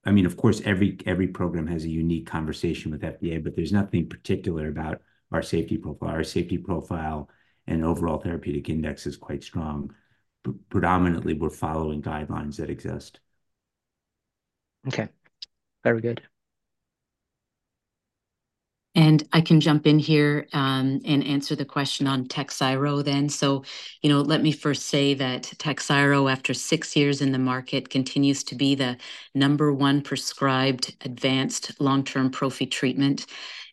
I mean, of course, every program has a unique conversation with FDA, but there's nothing particular about our safety profile. Our safety profile and overall therapeutic index is quite strong. Predominantly, we're following guidelines that exist. Okay. Very good. I can jump in here and answer the question on Takhzyro then. So let me first say that Takhzyro, after six years in the market, continues to be the number one prescribed advanced long-term prophylaxis treatment.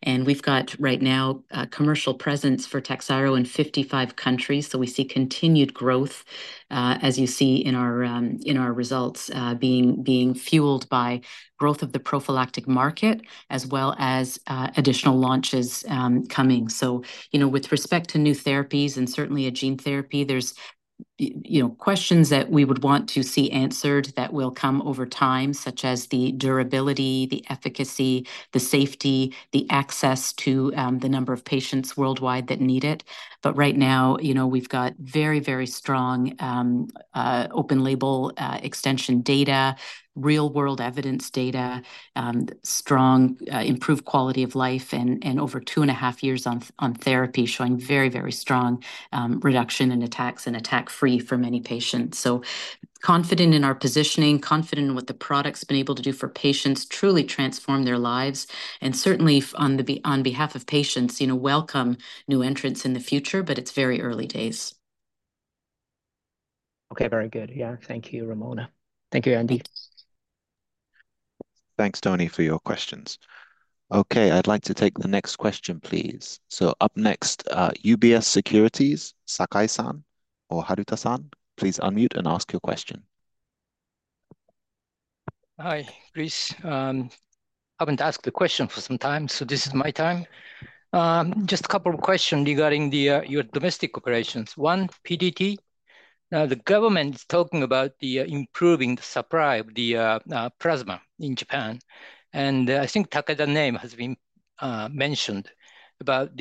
And we've got right now a commercial presence for Takhzyro in 55 countries. So we see continued growth, as you see in our results, being fueled by growth of the prophylactic market as well as additional launches coming. So with respect to new therapies and certainly a gene therapy, there's questions that we would want to see answered that will come over time, such as the durability, the efficacy, the safety, the access to the number of patients worldwide that need it. But right now, we've got very, very strong open-label extension data, real-world evidence data, strong improved quality of life, and over two and a half years on therapy showing very, very strong reduction in attacks and attack-free for many patients. So confident in our positioning, confident in what the product's been able to do for patients, truly transform their lives. And certainly, on behalf of patients, welcome new entrants in the future, but it's very early days. Okay. Very good. Yeah. Thank you, Ramona. Thank you, Andy. Thanks, Tony, for your questions. Okay. I'd like to take the next question, please. So up next, UBS Securities, Sakai-san or Haruta-san, please unmute and ask your question. Hi, Chris. I haven't asked the question for some time, so this is my time. Just a couple of questions regarding your domestic operations. One, PDT. Now, the government is talking about improving the supply of the plasma in Japan. And I think Takeda's name has been mentioned about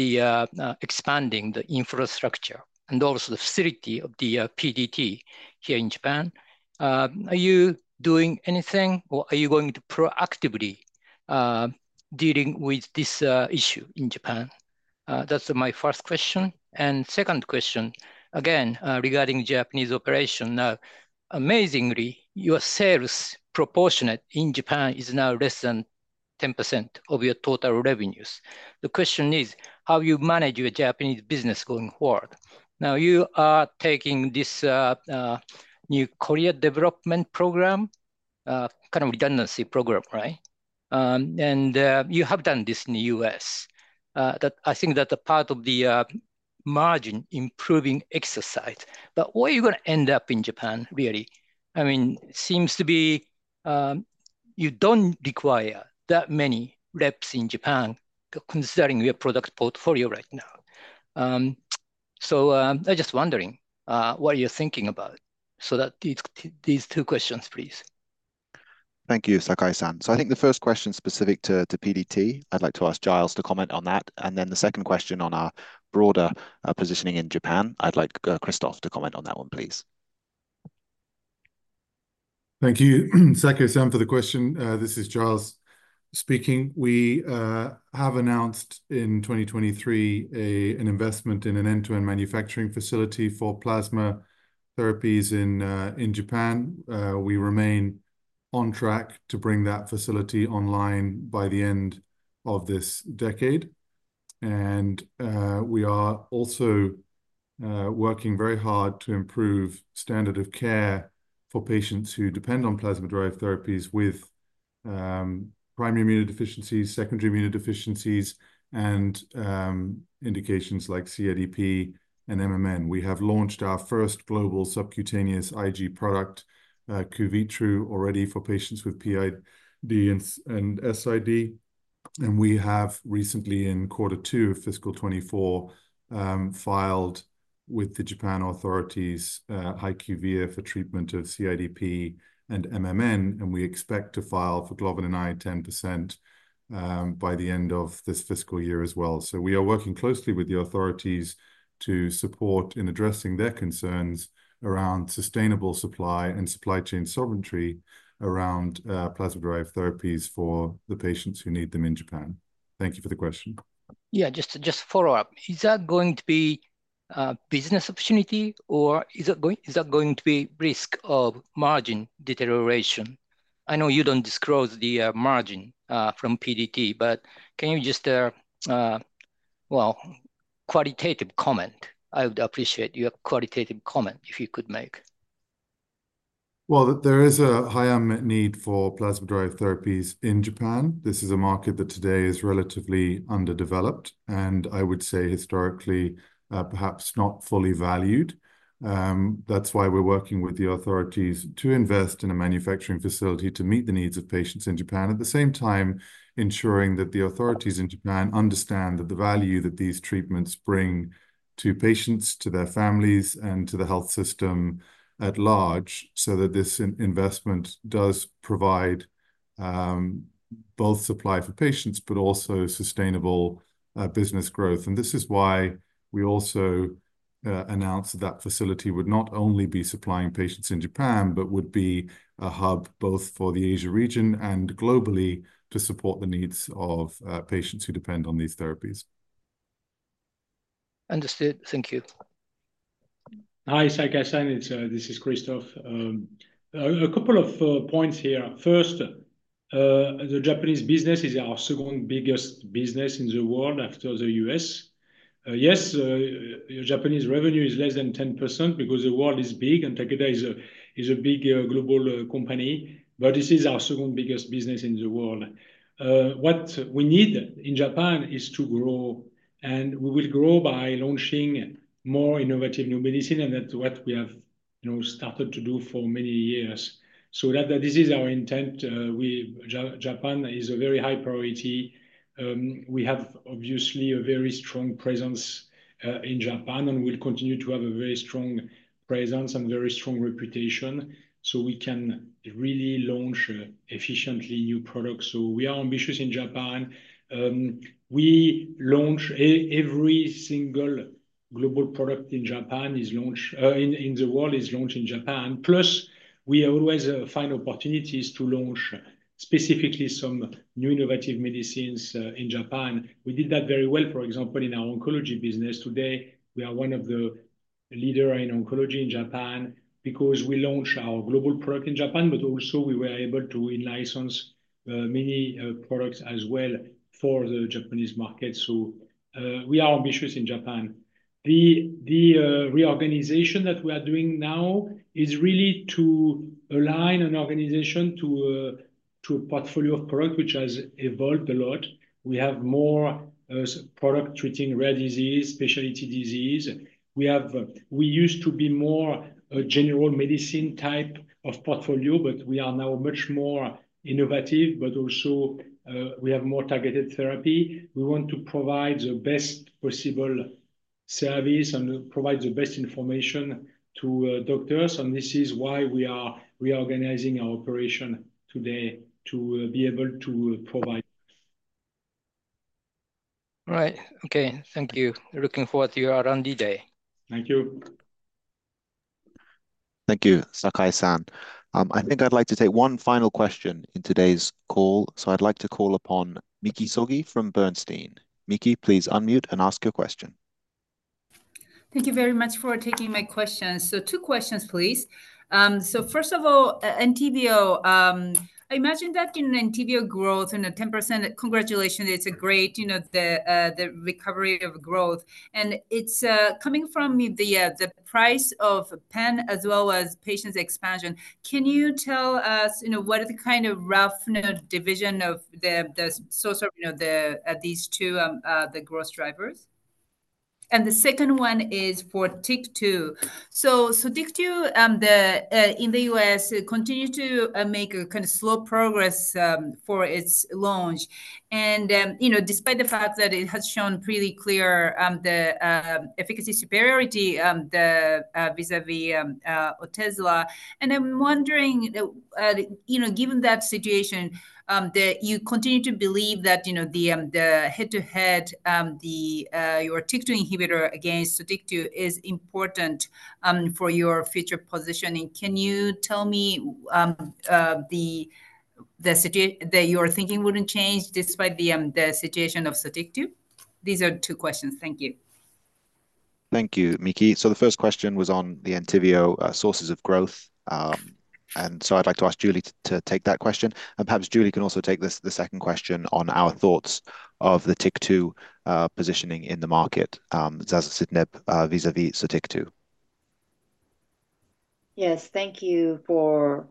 expanding the infrastructure and also the facility of the PDT here in Japan. Are you doing anything, or are you going to proactively deal with this issue in Japan? That's my first question. And second question, again, regarding Japanese operation. Now, amazingly, your sales proportion in Japan is now less than 10% of your total revenues. The question is, how do you manage your Japanese business going forward? Now, you are taking this new Career Development Program, kind of redundancy program, right? And you have done this in the US. I think that's a part of the margin improving exercise. But where are you going to end up in Japan, really? I mean, it seems to be you don't require that many reps in Japan, considering your product portfolio right now. So I'm just wondering what you're thinking about. So these two questions, please. Thank you, Sakai-san. So I think the first question, specific to PDT, I'd like to ask Giles to comment on that. And then the second question on our broader positioning in Japan, I'd like Christoph to comment on that one, please. Thank you, Sakai-san, for the question. This is Giles speaking. We have announced in 2023 an investment in an end-to-end manufacturing facility for plasma therapies in Japan. We remain on track to bring that facility online by the end of this decade. And we are also working very hard to improve standard of care for patients who depend on plasma-derived therapies with primary immunodeficiencies, secondary immunodeficiencies, and indications like CIDP and MMN. We have launched our first global subcutaneous Ig product, Cuvitru, already for patients with PID and SID. And we have recently, in quarter two of fiscal 24, filed with the Japan authorities HyQvia for treatment of CIDP and MMN. And we expect to file for immunoglobulin 10% by the end of this fiscal year as well. So we are working closely with the authorities to support in addressing their concerns around sustainable supply and supply chain sovereignty around plasma-derived therapies for the patients who need them in Japan. Thank you for the question. Yeah, just to follow up, is that going to be a business opportunity, or is that going to be risk of margin deterioration? I know you don't disclose the margin from PDT, but can you just, well, qualitative comment? I would appreciate your qualitative comment if you could make. Well, there is a high unmet need for plasma-derived therapies in Japan. This is a market that today is relatively underdeveloped, and I would say historically, perhaps not fully valued. That's why we're working with the authorities to invest in a manufacturing facility to meet the needs of patients in Japan, at the same time ensuring that the authorities in Japan understand that the value that these treatments bring to patients, to their families, and to the health system at large so that this investment does provide both supply for patients but also sustainable business growth. And this is why we also announced that facility would not only be supplying patients in Japan, but would be a hub both for the Asia region and globally to support the needs of patients who depend on these therapies. Understood. Thank you. Hi, Sakai-san. This is Christoph. A couple of points here. First, the Japanese business is our second biggest business in the world after the U.S. Yes, your Japanese revenue is less than 10% because the world is big, and Takeda is a big global company. But this is our second biggest business in the world. What we need in Japan is to grow, and we will grow by launching more innovative new medicine, and that's what we have started to do for many years. So this is our intent. Japan is a very high priority. We have, obviously, a very strong presence in Japan and will continue to have a very strong presence and very strong reputation so we can really launch efficiently new products. So we are ambitious in Japan. Every single global product in Japan is launched in the world is launched in Japan. Plus, we always find opportunities to launch specifically some new innovative medicines in Japan. We did that very well, for example, in our oncology business. Today, we are one of the leaders in oncology in Japan because we launch our global product in Japan, but also we were able to license many products as well for the Japanese market. So we are ambitious in Japan. The reorganization that we are doing now is really to align an organization to a portfolio of products which has evolved a lot. We have more product treating rare disease, specialty disease. We used to be more a general medicine type of portfolio, but we are now much more innovative, but also we have more targeted therapy. We want to provide the best possible service and provide the best information to doctors. And this is why we are reorganizing our operation today to be able to provide. All right. Okay. Thank you. Looking forward to your R&D day. Thank you. Thank you, Sakai-san. I think I'd like to take one final question in today's call. So I'd like to call upon Miki Sugi from Bernstein. Miki, please unmute and ask your question. Thank you very much for taking my questions. So two questions, please. So first of all, Entyvio, I imagine that in Entyvio growth and a 10%, congratulations. It's a great recovery of growth. And it's coming from the price, the pen as well as patient expansion. Can you tell us what are the kind of rough division of the source of these two, the growth drivers? And the second one is for TYK2. So TYK2 in the US continues to make a kind of slow progress for its launch. And despite the fact that it has shown pretty clear the efficacy superiority vis-à-vis Otezla, and I'm wondering, given that situation, that you continue to believe that the head-to-head, your TYK2 inhibitor against TYK2 is important for your future positioning. Can you tell me that your thinking wouldn't change despite the situation of TYK2? These are two questions. Thank you. Thank you, Miki. So the first question was on the Entyvio sources of growth. And so I'd like to ask Julie to take that question. And perhaps Julie can also take the second question on our thoughts of the TYK2 positioning in the market, Zasocitinib vis-à-vis TYK2. Yes, thank you for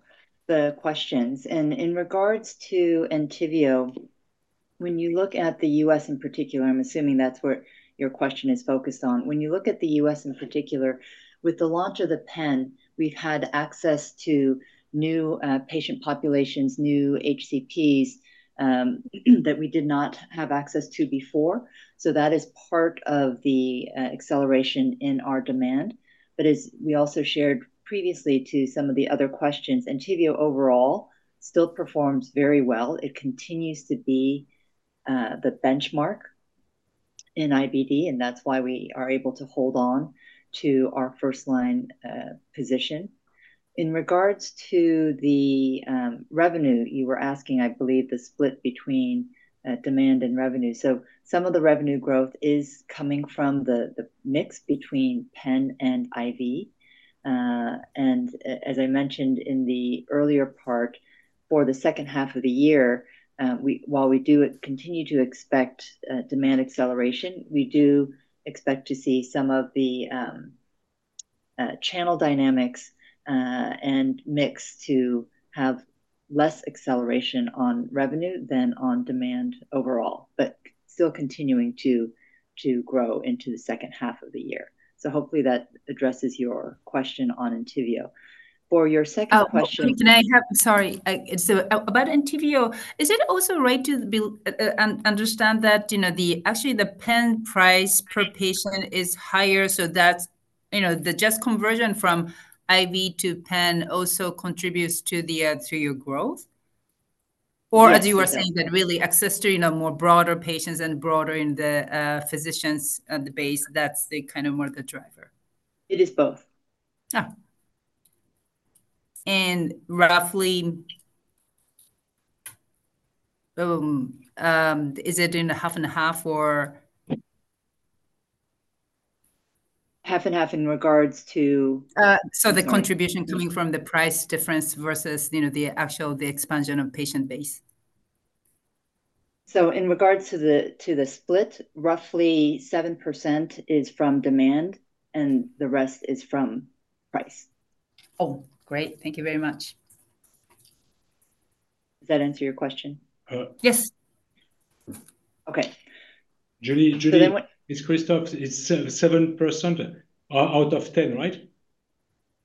the questions. And in regards to Entyvio, when you look at the U.S. in particular, I'm assuming that's where your question is focused on. When you look at the U.S. in particular, with the launch of the pen, we've had access to new patient populations, new HCPs that we did not have access to before. So that is part of the acceleration in our demand. But as we also shared previously to some of the other questions, Entyvio overall still performs very well. It continues to be the benchmark in IBD, and that's why we are able to hold on to our first-line position. In regards to the revenue, you were asking, I believe, the split between demand and revenue. So some of the revenue growth is coming from the mix between pen and IV. And as I mentioned in the earlier part, for the second half of the year, while we do continue to expect demand acceleration, we do expect to see some of the channel dynamics and mix to have less acceleration on revenue than on demand overall, but still continuing to grow into the second half of the year. So hopefully that addresses your question on Entyvio. For your second question. Oh, sorry. So about Entyvio, is it also right to understand that actually the pen price per patient is higher? So that's just the conversion from IV to pen also contributes to your growth? Or as you were saying, that really access to more broader patients and broader in the physicians' base, that's kind of more the driver? It is both. And roughly, is it in half and a half or? Half and a half in regards to. So the contribution coming from the price difference versus the actual expansion of patient base? So in regards to the split, roughly 7% is from demand, and the rest is from price. Oh, great. Thank you very much. Does that answer your question? Yes. Okay. Julie, it's Christoph. It's 7% out of 10, right?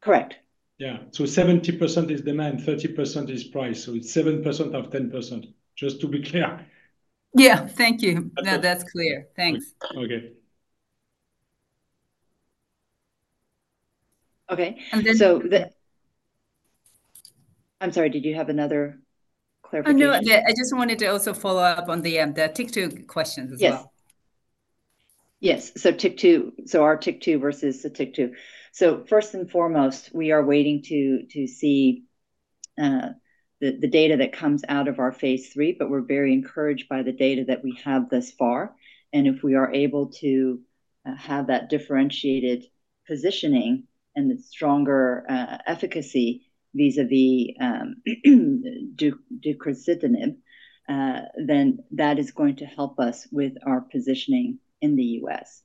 Correct. Yeah. So 70% is demand, 30% is price. So it's 7% of 10%, just to be clear. Yeah. Thank you. No, that's clear. Thanks. Okay. Okay. So I'm sorry. Did you have another clarification? No, I just wanted to also follow up on the TYK2 questions as well. Yes. Yes. So our TYK2 versus the TYK2. So first and foremost, we are waiting to see the data that comes out of our phase three, but we're very encouraged by the data that we have thus far. And if we are able to have that differentiated positioning and the stronger efficacy vis-à-vis Deucravacitinib, then that is going to help us with our positioning in the U.S.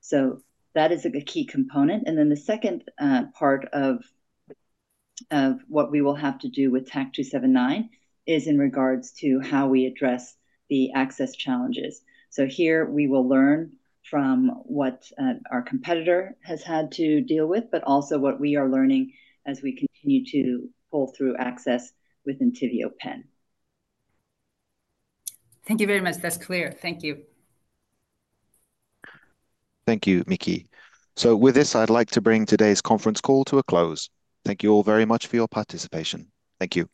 So that is a key component. And then the second part of what we will have to do with TAK-279 is in regards to how we address the access challenges. So here, we will learn from what our competitor has had to deal with, but also what we are learning as we continue to pull through access with Entyvio Pen. Thank you very much. That's clear. Thank you. Thank you, Miki. So with this, I'd like to bring today's conference call to a close. Thank you all very much for your participation. Thank you.